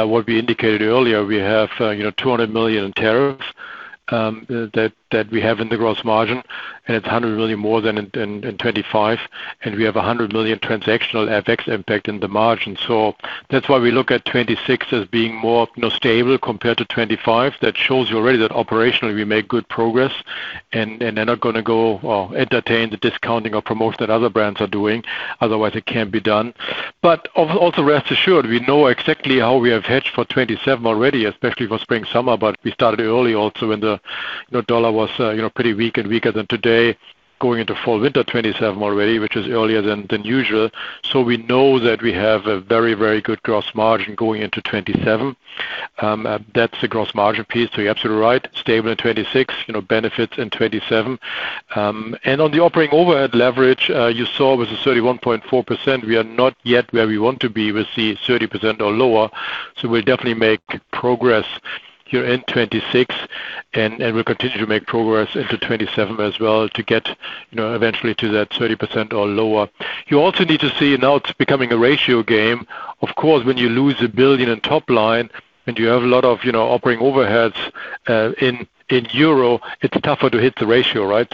[SPEAKER 5] what we indicated earlier, we have, you know, 200 million in tariffs that we have in the gross margin, and it's 100 million more than in 2025, and we have 100 million transactional FX impact in the margin. That's why we look at 2026 as being more, you know, stable compared to 2025. That shows you already that operationally we make good progress and they're not gonna go or entertain the discounting or promotion that other brands are doing, otherwise it can't be done. Also rest assured, we know exactly how we have hedged for 2027 already, especially for spring/summer, but we started early also when the, you know, U.S. dollar was, you know, pretty weak and weaker than today, going into fall/winter 2027 already, which is earlier than usual. We know that we have a very, very good gross margin going into 2027. That's the gross margin piece. You're absolutely right. Stable in 2026, you know, benefits in 2027. On the operating overhead leverage, you saw with the 31.4%, we are not yet where we want to be with the 30% or lower. We'll definitely make progress here in 2026 and we'll continue to make progress into 2027 as well to get, you know, eventually to that 30% or lower. You also need to see now it's becoming a ratio game. Of course, when you lose 1 billion in top line and you have a lot of, you know, operating overheads, in EUR, it's tougher to hit the ratio, right?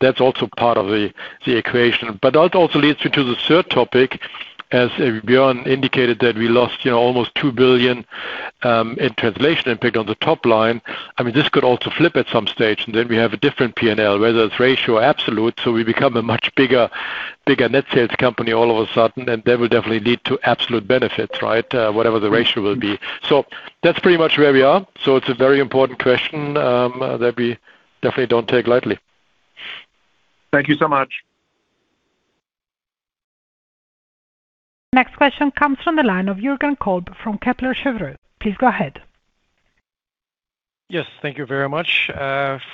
[SPEAKER 5] That's also part of the equation. That also leads me to the third topic, as Bjørn indicated, that we lost, you know, almost 2 billion, in translation impact on the top line. I mean, this could also flip at some stage, and then we have a different P&L, whether it's ratio absolute. We become a much bigger net sales company all of a sudden, and that will definitely lead to absolute benefits, right? Whatever the ratio will be. That's pretty much where we are. It's a very important question, that we definitely don't take lightly.
[SPEAKER 7] Thank you so much.
[SPEAKER 1] Next question comes from the line of Jürgen Kolb from Kepler Cheuvreux. Please go ahead.
[SPEAKER 8] Yes. Thank you very much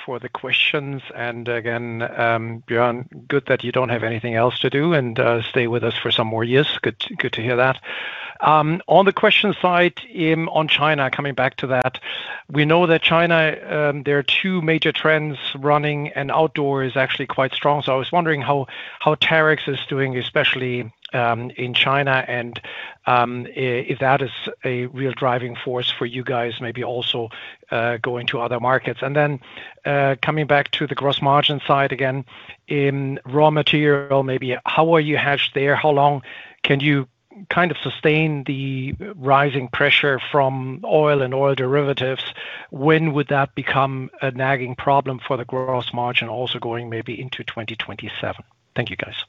[SPEAKER 8] for the questions. Again, Bjørn, good that you don't have anything else to do and stay with us for some more years. Good to hear that. On the question side, on China, coming back to that, we know that China, there are two major trends, running and outdoor is actually quite strong. I was wondering how Terrex is doing, especially in China and if that is a real driving force for you guys, maybe also going to other markets. Coming back to the gross margin side again, in raw material maybe, how are you hedged there? How long can you kind of sustain the rising pressure from oil and oil derivatives? When would that become a nagging problem for the gross margin also going maybe into 2027? Thank you, guys.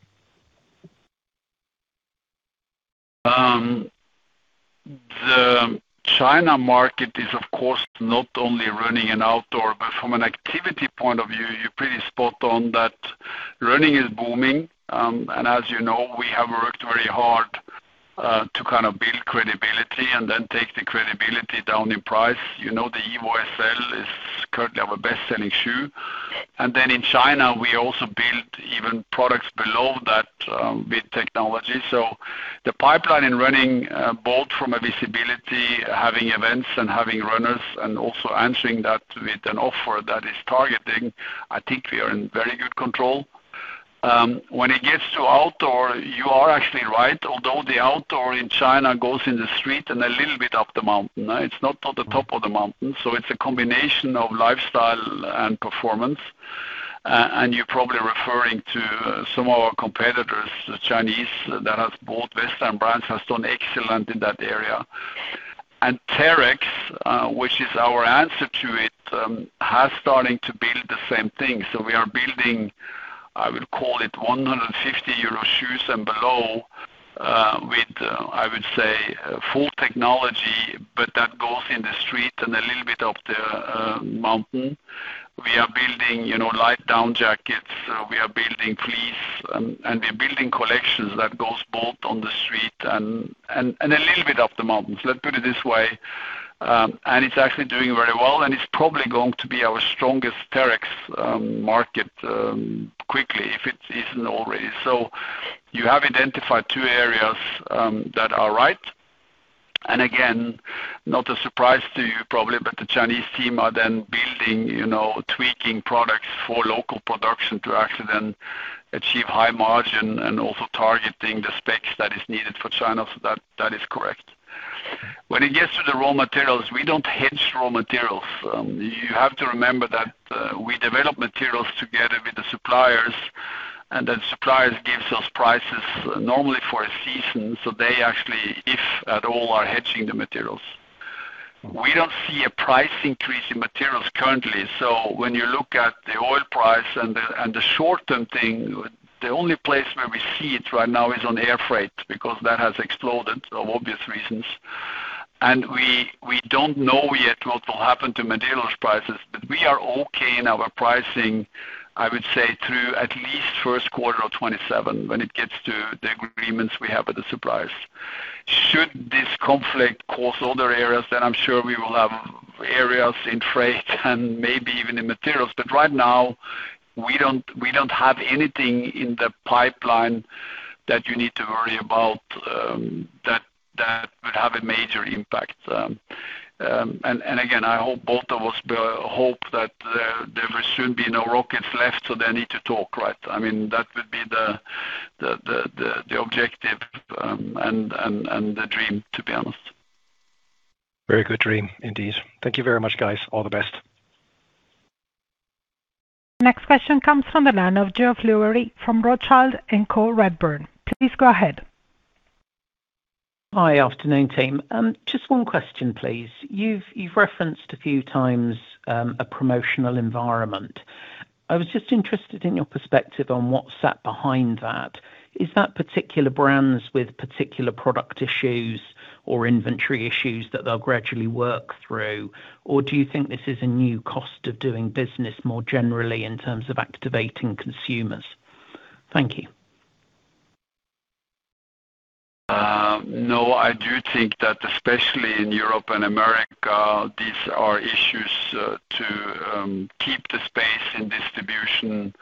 [SPEAKER 4] The China market is of course not only running in outdoor, but from an activity point of view, you're pretty spot on that running is booming. As you know, we have worked very hard To kind of build credibility and then take the credibility down in price. You know, the Adizero SL is currently our best-selling shoe. In China, we also built even products below that with technology. The pipeline and running, both from a visibility, having events and having runners and also answering that with an offer that is targeting, I think we are in very good control. When it gets to outdoor, you are actually right. Although the outdoor in China goes in the street and a little bit up the mountain. It's not on the top of the mountain. It's a combination of lifestyle and performance. You're probably referring to some of our competitors, the Chinese, that has bought Western brands, has done excellent in that area. Terrex, which is our answer to it, has starting to build the same thing. We are building, I will call it 150 euro shoes and below, with, I would say full technology, but that goes in the street and a little bit of the mountain. We are building, you know, light down jackets, we are building fleece and we're building collections that goes both on the street and a little bit up the mountain. Let's put it this way, and it's actually doing very well and it's probably going to be our strongest Terrex market quickly, if it isn't already. You have identified two areas that are right. Again, not a surprise to you probably, but the Chinese team are then building, you know, tweaking products for local production to actually then achieve high margin and also targeting the specs that is needed for China. That is correct. When it gets to the raw materials, we don't hedge raw materials. You have to remember that we develop materials together with the suppliers, and then suppliers gives us prices normally for a season. They actually, if at all, are hedging the materials. We don't see a price increase in materials currently. When you look at the oil price and the short-term thing, the only place where we see it right now is on air freight, because that has exploded for obvious reasons. We don't know yet what will happen to materials prices. We are okay in our pricing, I would say, through at least 1st quarter of 2027 when it gets to the agreements we have with the suppliers. Should this conflict cause other areas, I'm sure we will have areas in freight and maybe even in materials. Right now, we don't have anything in the pipeline that you need to worry about, that would have a major impact. And again, I hope both of us hope that there will soon be no rockets left, they need to talk, right? I mean, that would be the objective and the dream, to be honest.
[SPEAKER 8] Very good dream indeed. Thank you very much, guys. All the best.
[SPEAKER 1] Next question comes from the line of Geoff Lowery from Rothschild & Co Redburn. Please go ahead.
[SPEAKER 9] Hi. Afternoon, team. Just one question, please. You've referenced a few times, a promotional environment. I was just interested in your perspective on what sat behind that. Is that particular brands with particular product issues or inventory issues that they'll gradually work through? Or do you think this is a new cost of doing business more generally in terms of activating consumers? Thank you.
[SPEAKER 4] No. I do think that, especially in Europe and America, these are issues to keep the space in distribution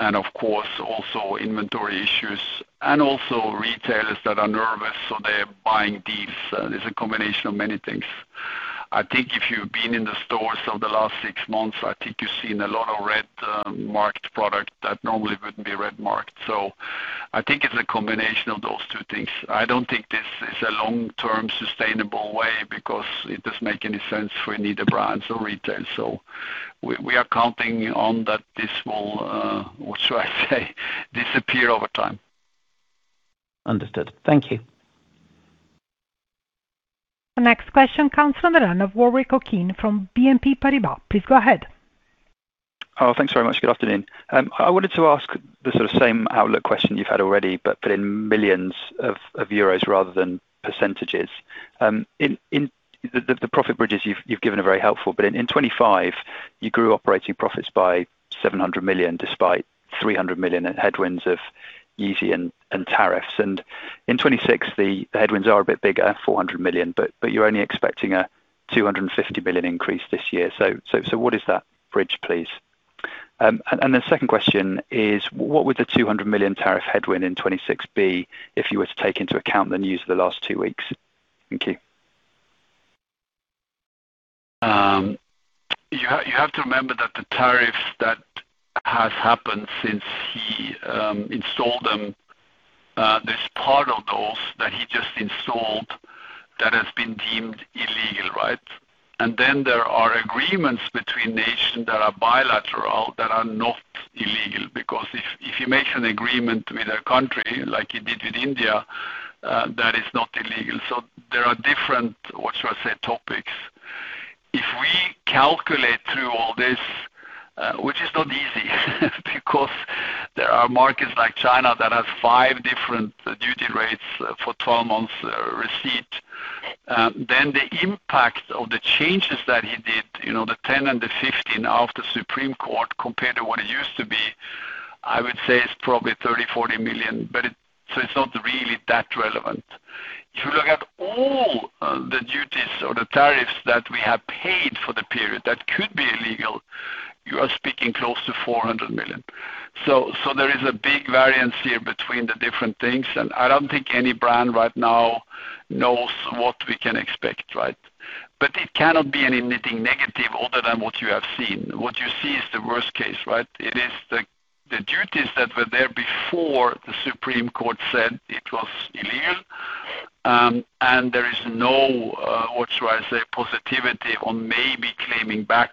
[SPEAKER 4] and of course, also inventory issues and also retailers that are nervous, so they're buying deals. There's a combination of many things. I think if you've been in the stores over the last six months, I think you've seen a lot of red marked product that normally wouldn't be red marked. I think it's a combination of those two things. I don't think this is a long-term sustainable way because it doesn't make any sense for neither brands or retail. We, we are counting on that this will, what should I say, disappear over time.
[SPEAKER 9] Understood. Thank you.
[SPEAKER 1] The next question comes from the line of Warwick Okines from BNP Paribas. Please go ahead.
[SPEAKER 10] Thanks very much. Good afternoon. I wanted to ask the same outlook question you've had already, but put in millions of euros rather than percentages. The profit bridges you've given are very helpful. In 2025 you grew operating profits by 700 million despite 300 million in headwinds of Yeezy and tariffs. In 2026, the headwinds are a bit bigger, 400 million, but you're only expecting a 250 billion increase this year. What is that bridge, please? The second question is what would the 200 million tariff headwind in 2026 be if you were to take into account the news of the last two weeks? Thank you.
[SPEAKER 4] You have to remember that the tariffs that has happened since he installed them, this part of those that he just installed that has been deemed illegal, right? There are agreements between nations that are bilateral, that are not illegal because if you make an agreement with a country like he did with India, that is not illegal. There are different, what should I say, topics. If we calculate through all this, which is not easy because there are markets like China that have five different duty rates for 12 months receipt, then the impact of the changes that he did, you know, the 10 and the 15 of the Supreme Court compared to what it used to be, I would say is probably 30 million-40 million, but it's not really that relevant. If you look at all the duties or the tariffs that we have paid for the period that could be illegal, you are speaking close to 400 million. There is a big variance here between the different things, and I don't think any brand right now knows what we can expect, right? It cannot be anything negative other than what you have seen. What you see is the worst case, right? It is the duties that were there before the Supreme Court said it was illegal, and there is no, what should I say, positivity on maybe claiming back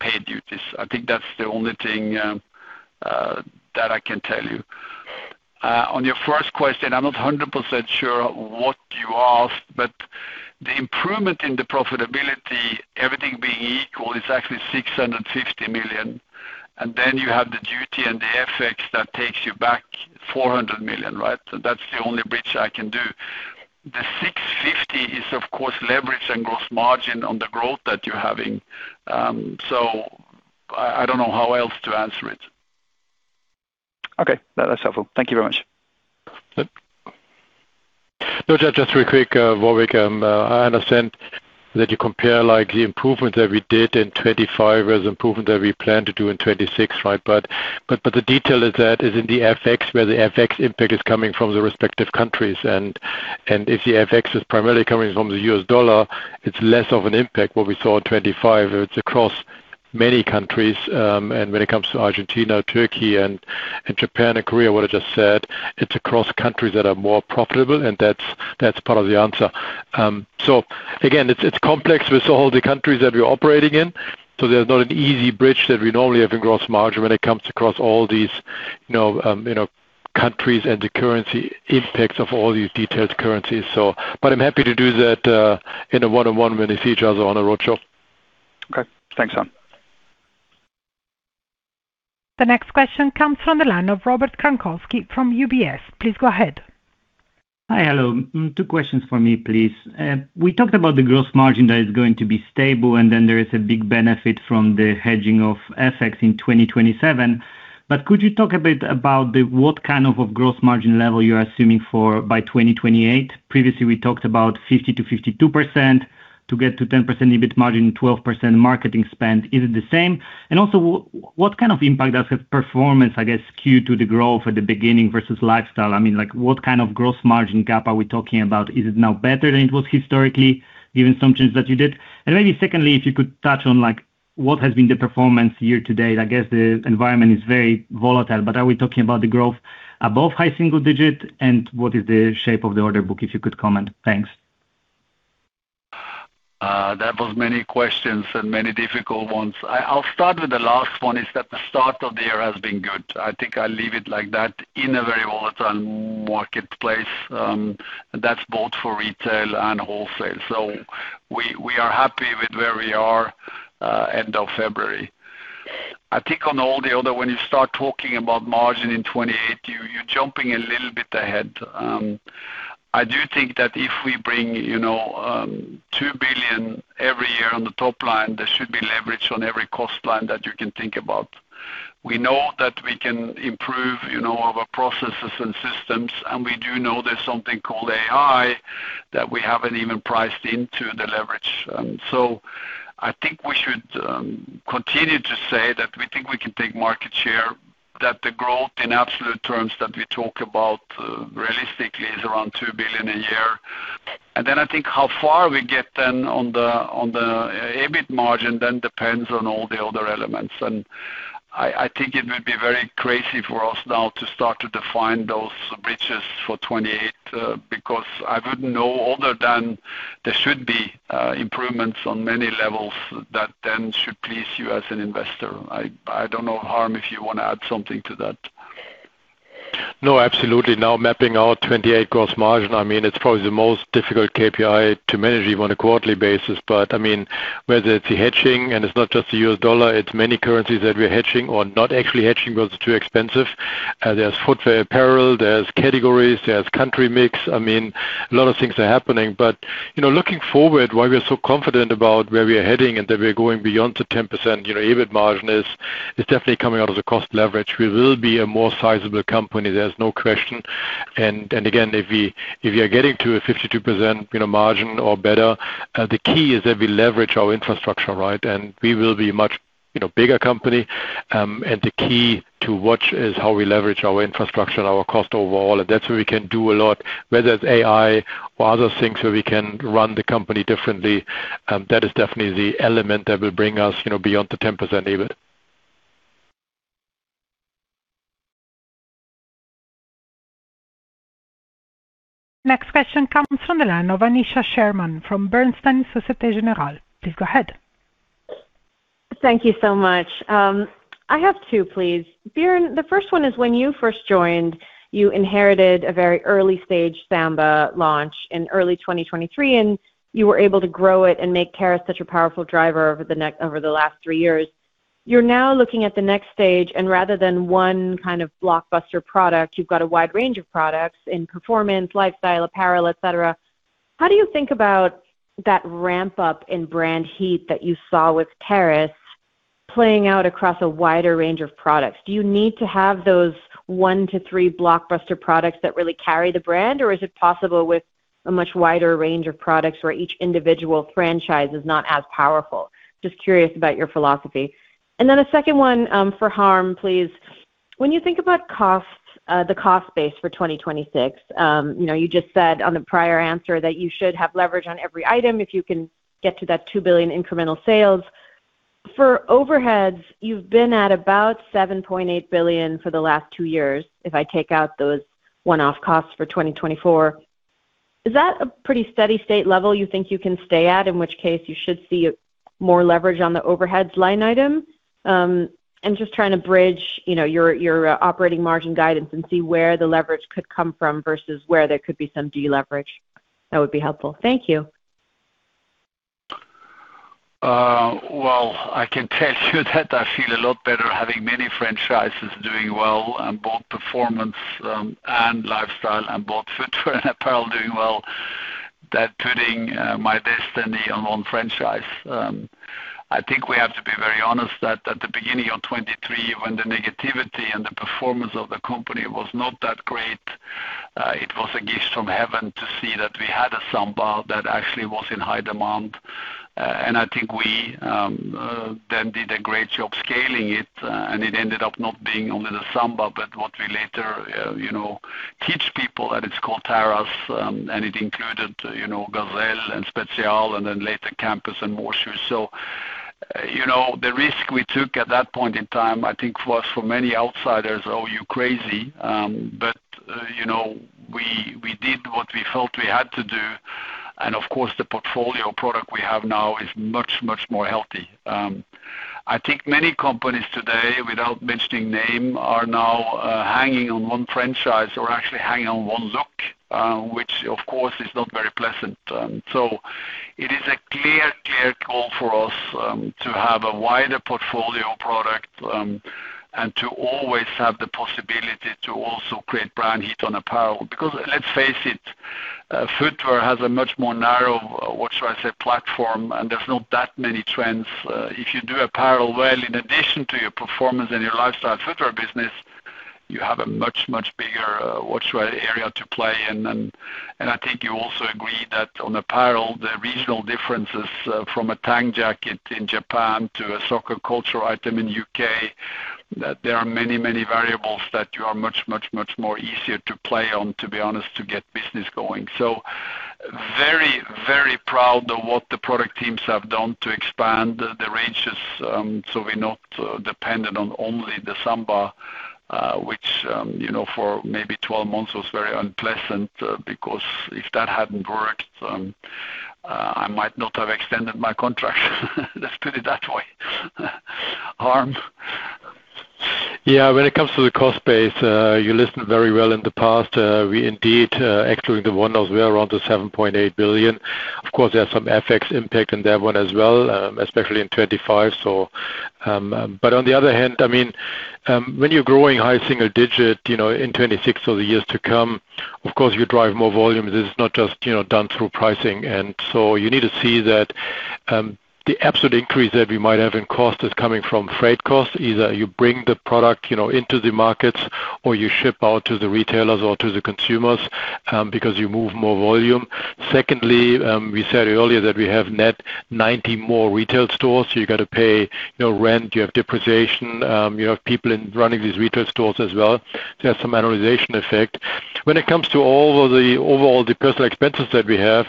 [SPEAKER 4] paid duties. I think that's the only thing that I can tell you. On your first question, I'm not 100% sure what you asked, but the improvement in the profitability, everything being equal, is actually 650 million. You have the duty and the FX that takes you back 400 million, right? That's the only bridge I can do. The 650 is of course leverage and gross margin on the growth that you're having. I don't know how else to answer it.
[SPEAKER 10] Okay. That's helpful. Thank you very much.
[SPEAKER 5] No, just real quick, Warwick, I understand that you compare like the improvement that we did in 2025 as improvement that we plan to do in 2026, right? The detail is that is in the FX where the FX impact is coming from the respective countries and if the FX is primarily coming from the U.S. dollar, it's less of an impact what we saw in 2025. It's across many countries, and when it comes to Argentina, Turkey and Japan and Korea, what I just said, it's across countries that are more profitable, and that's part of the answer. Again, it's complex with all the countries that we're operating in. There's not an easy bridge that we normally have in gross margin when it comes across all these, you know, you know, countries and the currency impacts of all these detailed currencies. I'm happy to do that in a one-on-one when we see each other on a roadshow.
[SPEAKER 10] Okay. Thanks, Harm.
[SPEAKER 1] The next question comes from the line of Zuzanna Pusz from UBS. Please go ahead.
[SPEAKER 11] Hi. Hello. Two questions for me, please. We talked about the gross margin that is going to be stable. There is a big benefit from the hedging of FX in 2027. Could you talk a bit about what kind of a gross margin level you are assuming for by 2028? Previously we talked about 50%-52% to get to 10% EBIT margin, 12% marketing spend. Is it the same? What kind of impact does the performance, I guess, skew to the growth at the beginning versus lifestyle? I mean, like, what kind of gross margin gap are we talking about? Is it now better than it was historically, given some changes that you did? Maybe secondly, if you could touch on like what has been the performance year to date. I guess the environment is very volatile. Are we talking about the growth above high single digit? What is the shape of the order book, if you could comment? Thanks.
[SPEAKER 4] That was many questions and many difficult ones. I'll start with the last one is that the start of the year has been good. I think I'll leave it like that in a very volatile marketplace, that's both for retail and wholesale. We are happy with where we are end of February. I think on all the other, when you start talking about margin in 2028, you're jumping a little bit ahead. I do think that if we bring, you know, 2 billion every year on the top line, there should be leverage on every cost line that you can think about. We know that we can improve, you know, our processes and systems. We do know there's something called AI that we haven't even priced into the leverage. I think we should continue to say that we think we can take market share, that the growth in absolute terms that we talk about, realistically is around 2 billion a year. I think how far we get then on the EBIT margin then depends on all the other elements. I think it would be very crazy for us now to start to define those bridges for 2028, because I wouldn't know other than there should be improvements on many levels that then should please you as an investor. I don't know, Harm, if you wanna add something to that.
[SPEAKER 5] Absolutely. Now mapping our 28% gross margin, I mean, it's probably the most difficult KPI to manage even on a quarterly basis. I mean, whether it's the hedging and it's not just the U.S. dollar, it's many currencies that we're hedging or not actually hedging because they're too expensive. There's footwear, apparel, there's categories, there's country mix. I mean, a lot of things are happening. You know, looking forward, why we're so confident about where we are heading and that we are going beyond the 10% EBIT margin is definitely coming out of the cost leverage. We will be a more sizable company, there's no question. And again, if we are getting to a 52%, you know, margin or better, the key is that we leverage our infrastructure, right? We will be much, you know, bigger company. The key to watch is how we leverage our infrastructure and our cost overall. That's where we can do a lot, whether it's AI or other things where we can run the company differently. That is definitely the element that will bring us, you know, beyond the 10% EBIT.
[SPEAKER 1] Next question comes from the line of Aneesha Sherman from Bernstein Societe Generale. Please go ahead.
[SPEAKER 12] Thank you so much. I have two, please. Björn, the first one is, when you first joined, you inherited a very early stage Samba launch in early 2023, and you were able to grow it and make care such a powerful driver over the last three years. You're now looking at the next stage, rather than one kind of blockbuster product, you've got a wide range of products in performance, lifestyle, apparel, et cetera. How do you think about that ramp up in brand heat that you saw with Terrace playing out across a wider range of products? Do you need to have those one to two blockbuster products that really carry the brand? Is it possible with a much wider range of products where each individual franchise is not as powerful? Just curious about your philosophy. A second one for Harm, please. When you think about cost, the cost base for 2026, you know, you just said on the prior answer that you should have leverage on every item if you can get to that two billion incremental sales. For overheads, you've been at about 7.8 billion for the last two years if I take out those one-off costs for 2024. Is that a pretty steady state level you think you can stay at, in which case you should see more leverage on the overheads line item? I'm just trying to bridge, you know, your operating margin guidance and see where the leverage could come from versus where there could be some deleverage. That would be helpful. Thank you.
[SPEAKER 4] Well, I can tell you that I feel a lot better having many franchises doing well on both performance, and lifestyle and both footwear and apparel doing well than putting my destiny on one franchise. I think we have to be very honest that at the beginning of 2023, when the negativity and the performance of the company was not that great, it was a gift from heaven to see that we had a Samba that actually was in high demand. I think we then did a great job scaling it, and it ended up not being only the Samba, but what we later, you know, teach people that it's called Terrace, and it included, you know, Gazelle and Spezial and then later Campus and More Shoes. You know, the risk we took at that point in time, I think was for many outsiders, "Oh, you crazy." You know, we did what we felt we had to do. Of course, the portfolio product we have now is much, much more healthy. I think many companies today, without mentioning name, are now, hanging on one franchise or actually hanging on one look, which of course is not very pleasant. It is a clear goal for us, to have a wider portfolio product, and to always have the possibility to also create brand heat on apparel. Let's face it, footwear has a much more narrow, what should I say, platform, and there's not that many trends. If you do apparel well, in addition to your performance and your lifestyle footwear business, you have a much, much bigger Area to play in. I think you also agree that on apparel, the regional differences from a Tang jacket in Japan to a soccer cultural item in U.K., that there are many, many variables that you are much more easier to play on, to be honest, to get business going. Very, very proud of what the product teams have done to expand the ranges, so we're not dependent on only the Samba, which, you know, for maybe 12 months was very unpleasant, because if that hadn't worked, I might not have extended my contract. Let's put it that way. Harm.
[SPEAKER 5] Yeah. When it comes to the cost base, you listened very well in the past. We indeed, excluding the one knows we are around 7.8 billion. Of course, there's some FX impact in that one as well, especially in 2025. On the other hand, I mean, when you're growing high single digit, you know, in 2026 or the years to come, of course, you drive more volume. This is not just, you know, done through pricing. You need to see that the absolute increase that we might have in cost is coming from freight costs. Either you bring the product, you know, into the markets or you ship out to the retailers or to the consumers, because you move more volume. Secondly, we said earlier that we have net 90 more retail stores. You got to pay, you know, rent, you have depreciation, you have people in running these retail stores as well. You have some annualization effect. When it comes to all of the overall personal expenses that we have,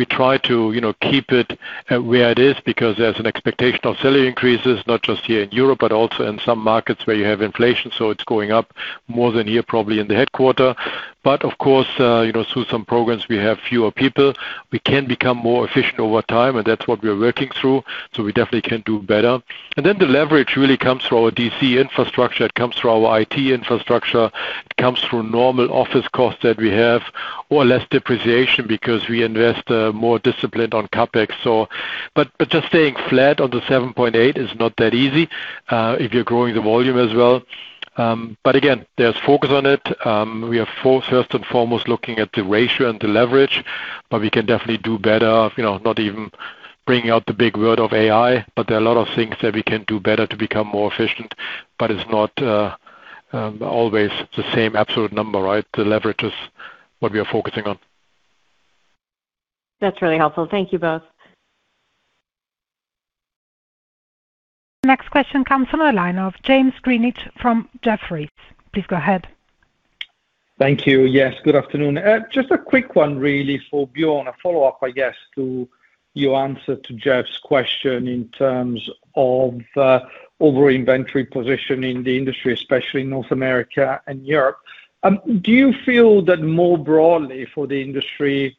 [SPEAKER 5] we try to, you know, keep it at where it is because there's an expectation of salary increases, not just here in Europe, but also in some markets where you have inflation. It's going up more than here, probably in the headquarter. Of course, you know, through some programs, we have fewer people. We can become more efficient over time, and that's what we are working through. We definitely can do better. The leverage really comes through our DC infrastructure. It comes through our IT infrastructure. It comes through normal office costs that we have or less depreciation because we invest more disciplined on CapEx, so. Just staying flat on the 7.8 is not that easy if you're growing the volume as well. Again, there's focus on it. We are for first and foremost looking at the ratio and the leverage, but we can definitely do better of, you know, not even bringing out the big word of AI, but there are a lot of things that we can do better to become more efficient, but it's not always the same absolute number, right? The leverage is what we are focusing on.
[SPEAKER 12] That's really helpful. Thank you both.
[SPEAKER 1] Next question comes from the line of James Grzinic from Jefferies. Please go ahead.
[SPEAKER 13] Thank you. Yes, good afternoon. Just a quick one really for Bjørn. A follow-up, I guess, to your answer to Geoff's question in terms of over-inventory position in the industry, especially in North America and Europe. Do you feel that more broadly for the industry,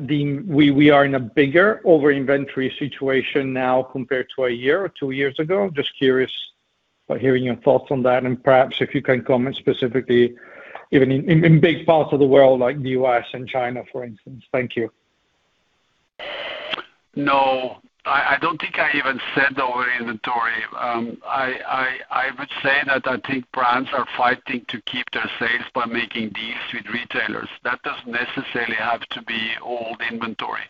[SPEAKER 13] we are in a bigger over-inventory situation now compared to one year or two years ago? Just curious by hearing your thoughts on that, and perhaps if you can comment specifically even in big parts of the world like the U.S. and China, for instance. Thank you.
[SPEAKER 4] No, I don't think I even said over-inventory. I, I would say that I think brands are fighting to keep their sales by making deals with retailers. That doesn't necessarily have to be old inventory.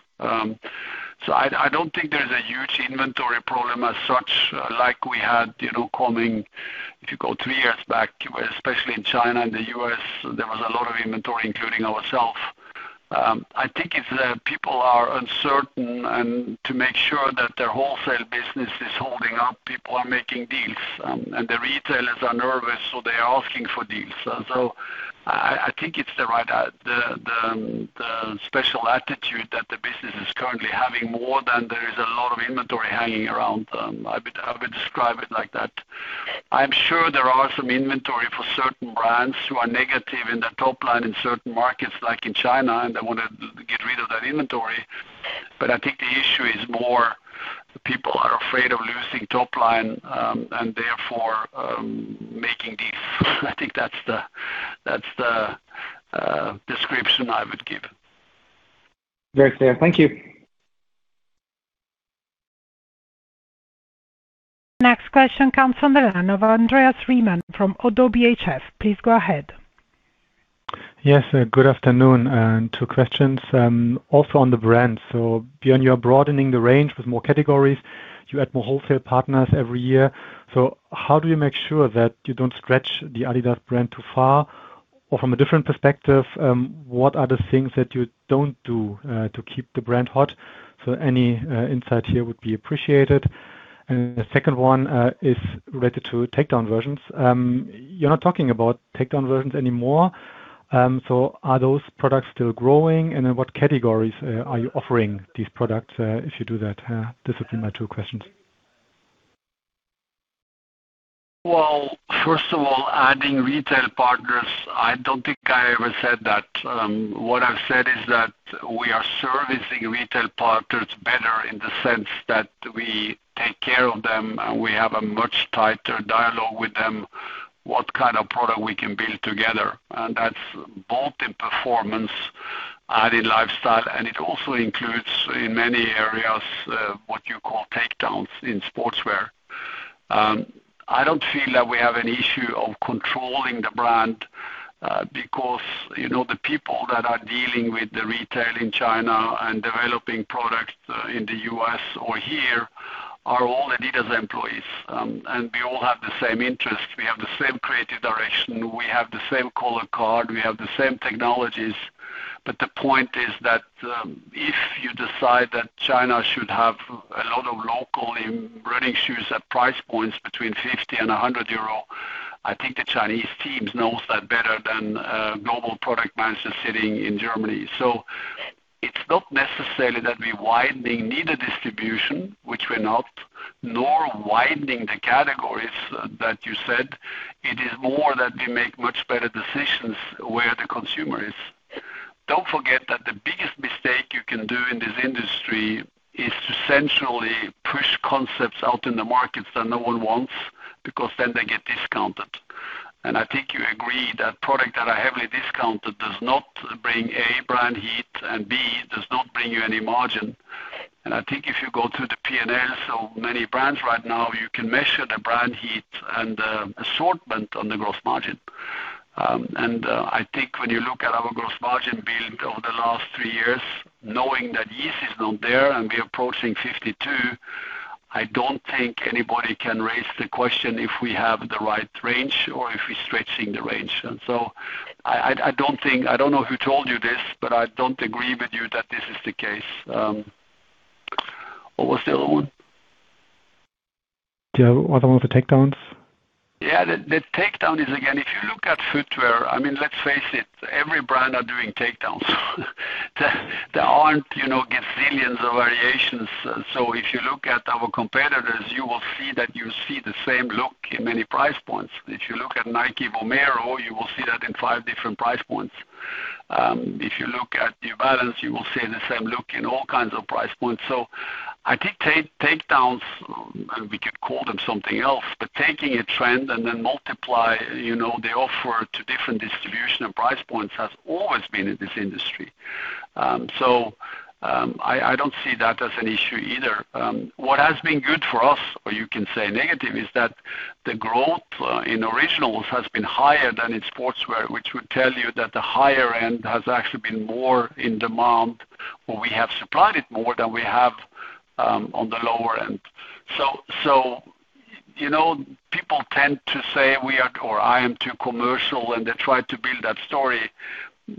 [SPEAKER 4] I don't think there's a huge inventory problem as such, like we had, you know, if you go three years back, especially in China and the U.S., there was a lot of inventory, including ourselves. I think it's that people are uncertain and to make sure that their wholesale business is holding up, people are making deals, and the retailers are nervous, so they are asking for deals. I think it's the right the special attitude that the business is currently having more than there is a lot of inventory hanging around. I would describe it like that. I'm sure there are some inventory for certain brands who are negative in their top line in certain markets like in China, and they want to get rid of that inventory. I think the issue is more people are afraid of losing top line, and therefore, making deals. I think that's the description I would give.
[SPEAKER 13] Very clear. Thank you.
[SPEAKER 1] Next question comes on the line of Andreas Riemann from Oddo BHF. Please go ahead.
[SPEAKER 14] Yes. Good afternoon. Two questions, also on the brand. Bjørn, you're broadening the range with more categories. You add more wholesale partners every year. How do you make sure that you don't stretch the adidas brand too far? From a different perspective, what are the things that you don't do to keep the brand hot? Any insight here would be appreciated. The second one is related to takedown versions. You're not talking about takedown versions anymore. Are those products still growing? In what categories are you offering these products, if you do that? This would be my two questions.
[SPEAKER 4] First of all, adding retail partners, I don't think I ever said that. What I've said is that we are servicing retail partners better in the sense that we take care of them, and we have a much tighter dialogue with them, what kind of product we can build together. That's both in performance, adding lifestyle, and it also includes in many areas, what you call takedowns in sportswear. I don't feel that we have an issue of controlling the brand, because, you know, the people that are dealing with the retail in China and developing products in the U.S. or here are all adidas employees. We all have the same interests. We have the same creative direction, we have the same color card, we have the same technologies. The point is that, if you decide that China should have a lot of locally running shoes at price points between 50 and 100 euro, I think the Chinese teams knows that better than a global product manager sitting in Germany. It's not necessarily that we widening neither distribution, which we're not, nor widening the categories that you said. It is more that we make much better decisions where the consumer is. Don't forget that the biggest mistake you can do in this industry is to centrally push concepts out in the markets that no one wants because then they get discounted. I think you agree that product that are heavily discounted does not bring, A, brand heat, and B, does not bring you any margin. I think if you go through the P&L, so many brands right now, you can measure the brand heat and the assortment on the gross margin. I think when you look at our gross margin build over the last three years, knowing that Yeezy is not there and we're approaching 52%, I don't think anybody can raise the question if we have the right range or if we're stretching the range. I don't know who told you this, but I don't agree with you that this is the case. What was the other one?
[SPEAKER 14] The other one was the takedowns.
[SPEAKER 4] The takedown is, again, if you look at footwear, I mean, let's face it, every brand are doing takedowns. There aren't gazillions of variations. If you look at our competitors, you will see that you see the same look in many price points. If you look at Nike Vomero, you will see that in five different price points. If you look at New Balance, you will see the same look in all kinds of price points. I think takedowns, and we could call them something else, but taking a trend and then multiply, you know, the offer to different distribution and price points has always been in this industry. I don't see that as an issue either. What has been good for us, or you can say negative, is that the growth in originals has been higher than in sportswear, which would tell you that the higher end has actually been more in demand, or we have supplied it more than we have on the lower end. You know, people tend to say we are or I am too commercial, and they try to build that story.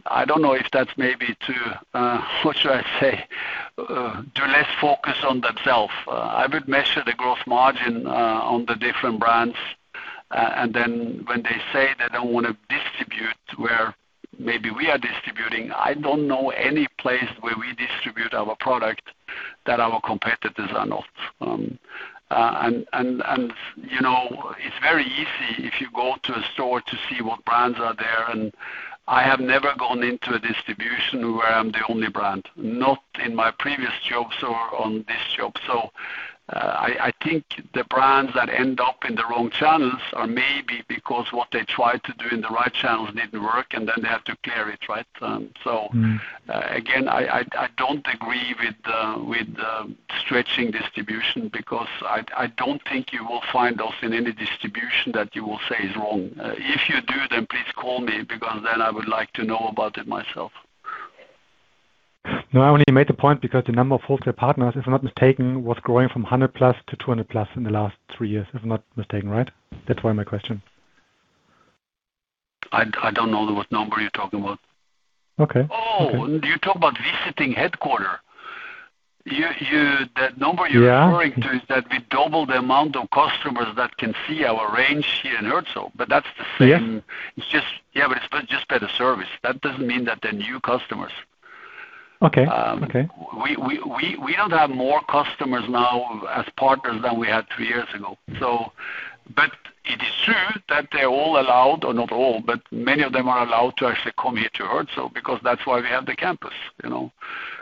[SPEAKER 4] I don't know if that's maybe too, what should I say? They're less focused on themselves. I would measure the growth margin on the different brands. Then when they say they don't wanna distribute where maybe we are distributing, I don't know any place where we distribute our product that our competitors are not. You know, it's very easy if you go to a store to see what brands are there. I have never gone into a distribution where I'm the only brand, not in my previous jobs or on this job. I think the brands that end up in the wrong channels are maybe because what they tried to do in the right channels didn't work, and then they have to clear it, right?
[SPEAKER 14] Mm-hmm.
[SPEAKER 4] Again, I don't agree with the stretching distribution because I don't think you will find us in any distribution that you will say is wrong. If you do, then please call me because then I would like to know about it myself.
[SPEAKER 14] No, I only made the point because the number of wholesale partners, if I'm not mistaken, was growing from 100+ to 200+ in the last three years, if I'm not mistaken, right? That's why my question.
[SPEAKER 4] I don't know what number you're talking about.
[SPEAKER 14] Okay.
[SPEAKER 4] You're talking about visiting headquarters.
[SPEAKER 14] Yeah.
[SPEAKER 4] You referring to is that we double the amount of customers that can see our range here in Herzo. that's the same-
[SPEAKER 14] Yeah.
[SPEAKER 4] Yeah, it's just better service. That doesn't mean that they're new customers.
[SPEAKER 14] Okay. Okay.
[SPEAKER 4] We don't have more customers now as partners than we had two years ago. It is true that they're all allowed, or not all, but many of them are allowed to actually come here to Herzo because that's why we have the campus, you know.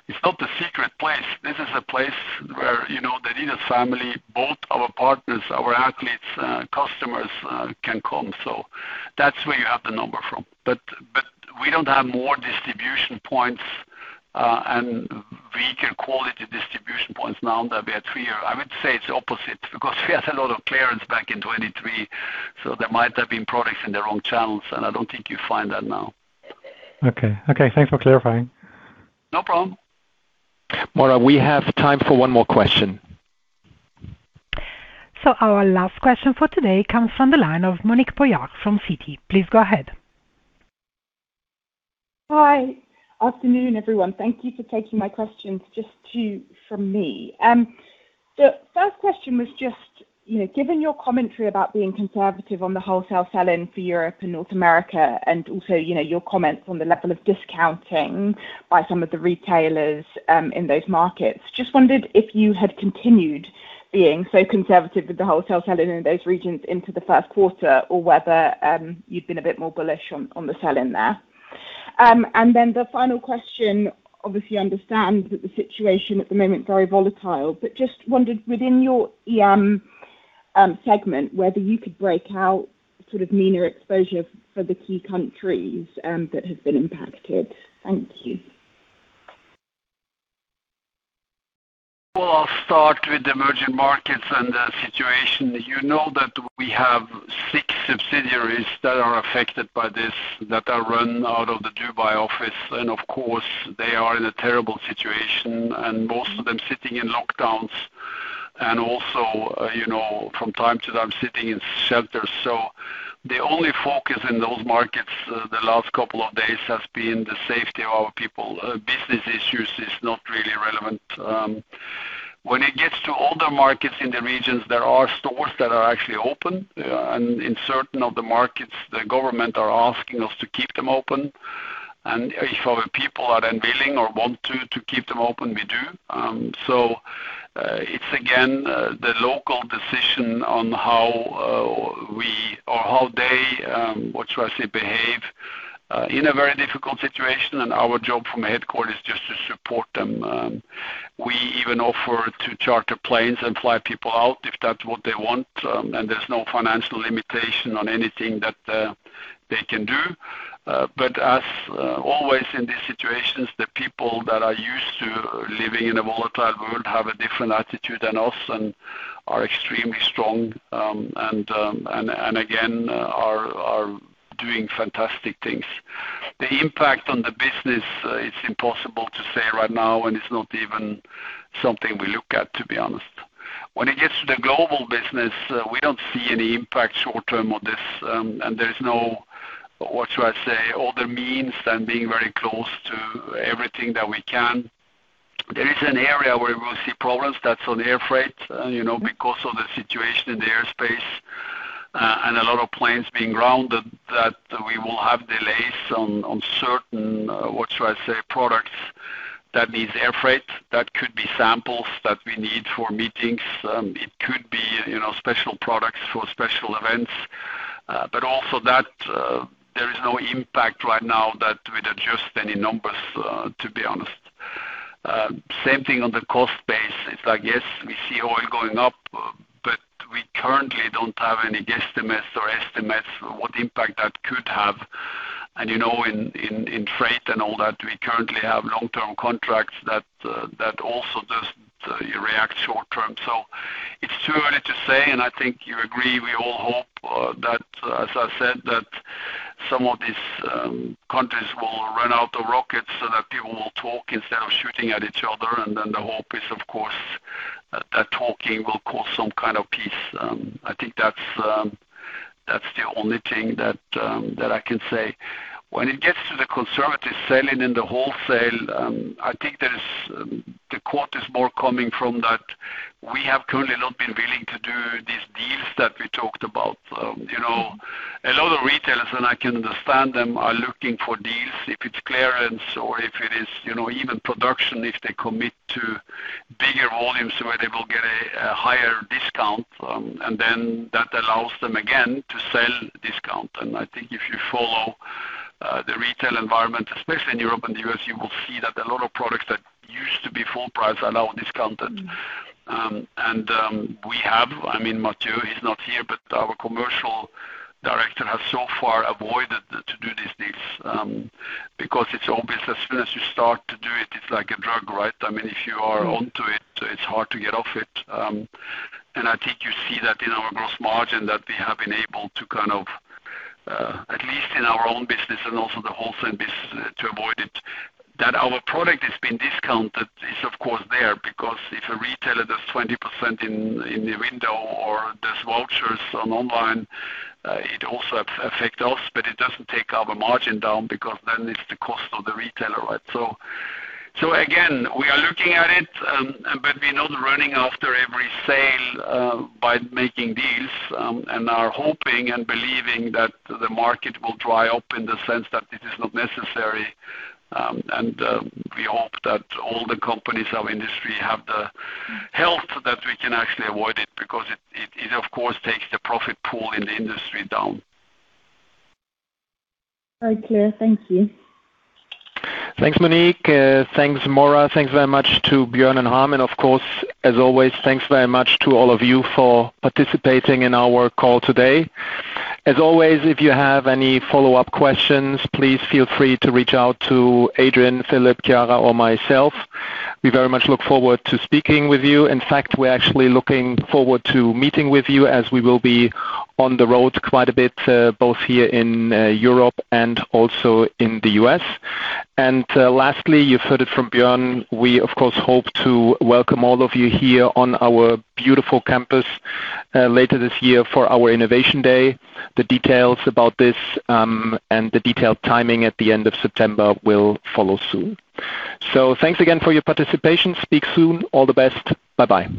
[SPEAKER 4] It's not a secret place. This is a place where, you know, the adi family, both our partners, our athletes, customers, can come. That's where you have the number from. We don't have more distribution points, and weaker quality distribution points now than we had three year. I would say it's the opposite because we had a lot of clearance back in 2023, so there might have been products in the wrong channels, and I don't think you find that now.
[SPEAKER 14] Okay. Okay, thanks for clarifying.
[SPEAKER 4] No problem.
[SPEAKER 2] Maura, we have time for one more question.
[SPEAKER 1] Our last question for today comes from the line of Monique Pollard from Citi. Please go ahead.
[SPEAKER 15] Hi. Afternoon, everyone. Thank you for taking my questions. Just two from me. The first question was just, you know, given your commentary about being conservative on the wholesale sell-in for Europe and North America and also, you know, your comments on the level of discounting by some of the retailers in those markets, just wondered if you had continued being so conservative with the wholesale sell-in in those regions into the 1st quarter or whether you've been a bit more bullish on the sell-in there. The final question, obviously understand that the situation at the moment very volatile, but just wondered within your EM segment, whether you could break out sort of MENA exposure for the key countries that have been impacted. Thank you.
[SPEAKER 4] I'll start with the emerging markets and the situation. You know that we have six subsidiaries that are affected by this, that are run out of the Dubai office, and of course, they are in a terrible situation, and most of them sitting in lockdowns and also, you know, from time to time, sitting in shelters. The only focus in those markets, the last couple of days has been the safety of our people. Business issues is not really relevant. When it gets to other markets in the regions, there are stores that are actually open, and in certain of the markets, the government are asking us to keep them open. If our people are then willing or want to keep them open, we do. It's again, the local decision on how we or how they, what should I say, behave in a very difficult situation, and our job from a headquarter is just to support them. We even offer to charter planes and fly people out if that's what they want, there's no financial limitation on anything that they can do. As always in these situations, the people that are used to living in a volatile world have a different attitude than us and are extremely strong, and again, are doing fantastic things. The impact on the business is impossible to say right now, and it's not even something we look at, to be honest. When it gets to the global business, we don't see any impact short term on this. There's no, what should I say, other means than being very close to everything that we can. There is an area where we will see problems, that's on air freight, you know, because of the situation in the airspace. A lot of planes being grounded that we will have delays on certain, what should I say, products that needs air freight. That could be samples that we need for meetings. It could be, you know, special products for special events. Also that, there is no impact right now that would adjust any numbers, to be honest. Same thing on the cost base. Yes, we see oil going up, we currently don't have any guesstimates or estimates what impact that could have. You know, in, in freight and all that, we currently have long-term contracts that also doesn't react short term. It's too early to say, and I think you agree, we all hope that, as I said, that some of these countries will run out of rockets so that people will talk instead of shooting at each other. The hope is, of course, that talking will cause some kind of peace. I think that's the only thing that I can say. When it gets to the conservative selling in the wholesale, I think there's, the quote is more coming from that we have currently not been willing to do these deals that we talked about. You know, a lot of retailers, and I can understand them, are looking for deals, if it's clearance or if it is, you know, even production, if they commit to bigger volumes where they will get a higher discount, and then that allows them again to sell discount. I think if you follow the retail environment, especially in Europe and the U.S., you will see that a lot of products that used to be full price are now discounted. We have. I mean, Mathieu is not here, but our commercial director has so far avoided to do these deals, because it's obvious as soon as you start to do it's like a drug, right? I mean, if you are onto it's hard to get off it. I think you see that in our gross margin that we have been able to kind of, at least in our own business and also the wholesale business, to avoid it. That our product has been discounted is of course there, because if a retailer does 20% in the window or does vouchers on online, it also affect us, but it doesn't take our margin down because then it's the cost of the retailer, right? Again, we are looking at it, but we're not running after every sale by making deals and are hoping and believing that the market will dry up in the sense that it is not necessary. We hope that all the companies, our industry, have the health that we can actually avoid it because it of course takes the profit pool in the industry down.
[SPEAKER 15] Very clear. Thank you.
[SPEAKER 2] Thanks, Monique. Thanks, Maura. Thanks very much to Björn and Harm, and of course, as always, thanks very much to all of you for participating in our call today. As always, if you have any follow-up questions, please feel free to reach out to Adrian, Philip, Chiara or myself. We very much look forward to speaking with you. In fact, we're actually looking forward to meeting with you as we will be on the road quite a bit, both here in Europe and also in the U.S. Lastly, you've heard it from Björn, we of course hope to welcome all of you here on our beautiful campus later this year for our Innovation Day. The details about this and the detailed timing at the end of September will follow soon. Thanks again for your participation. Speak soon. All the best. Bye-bye.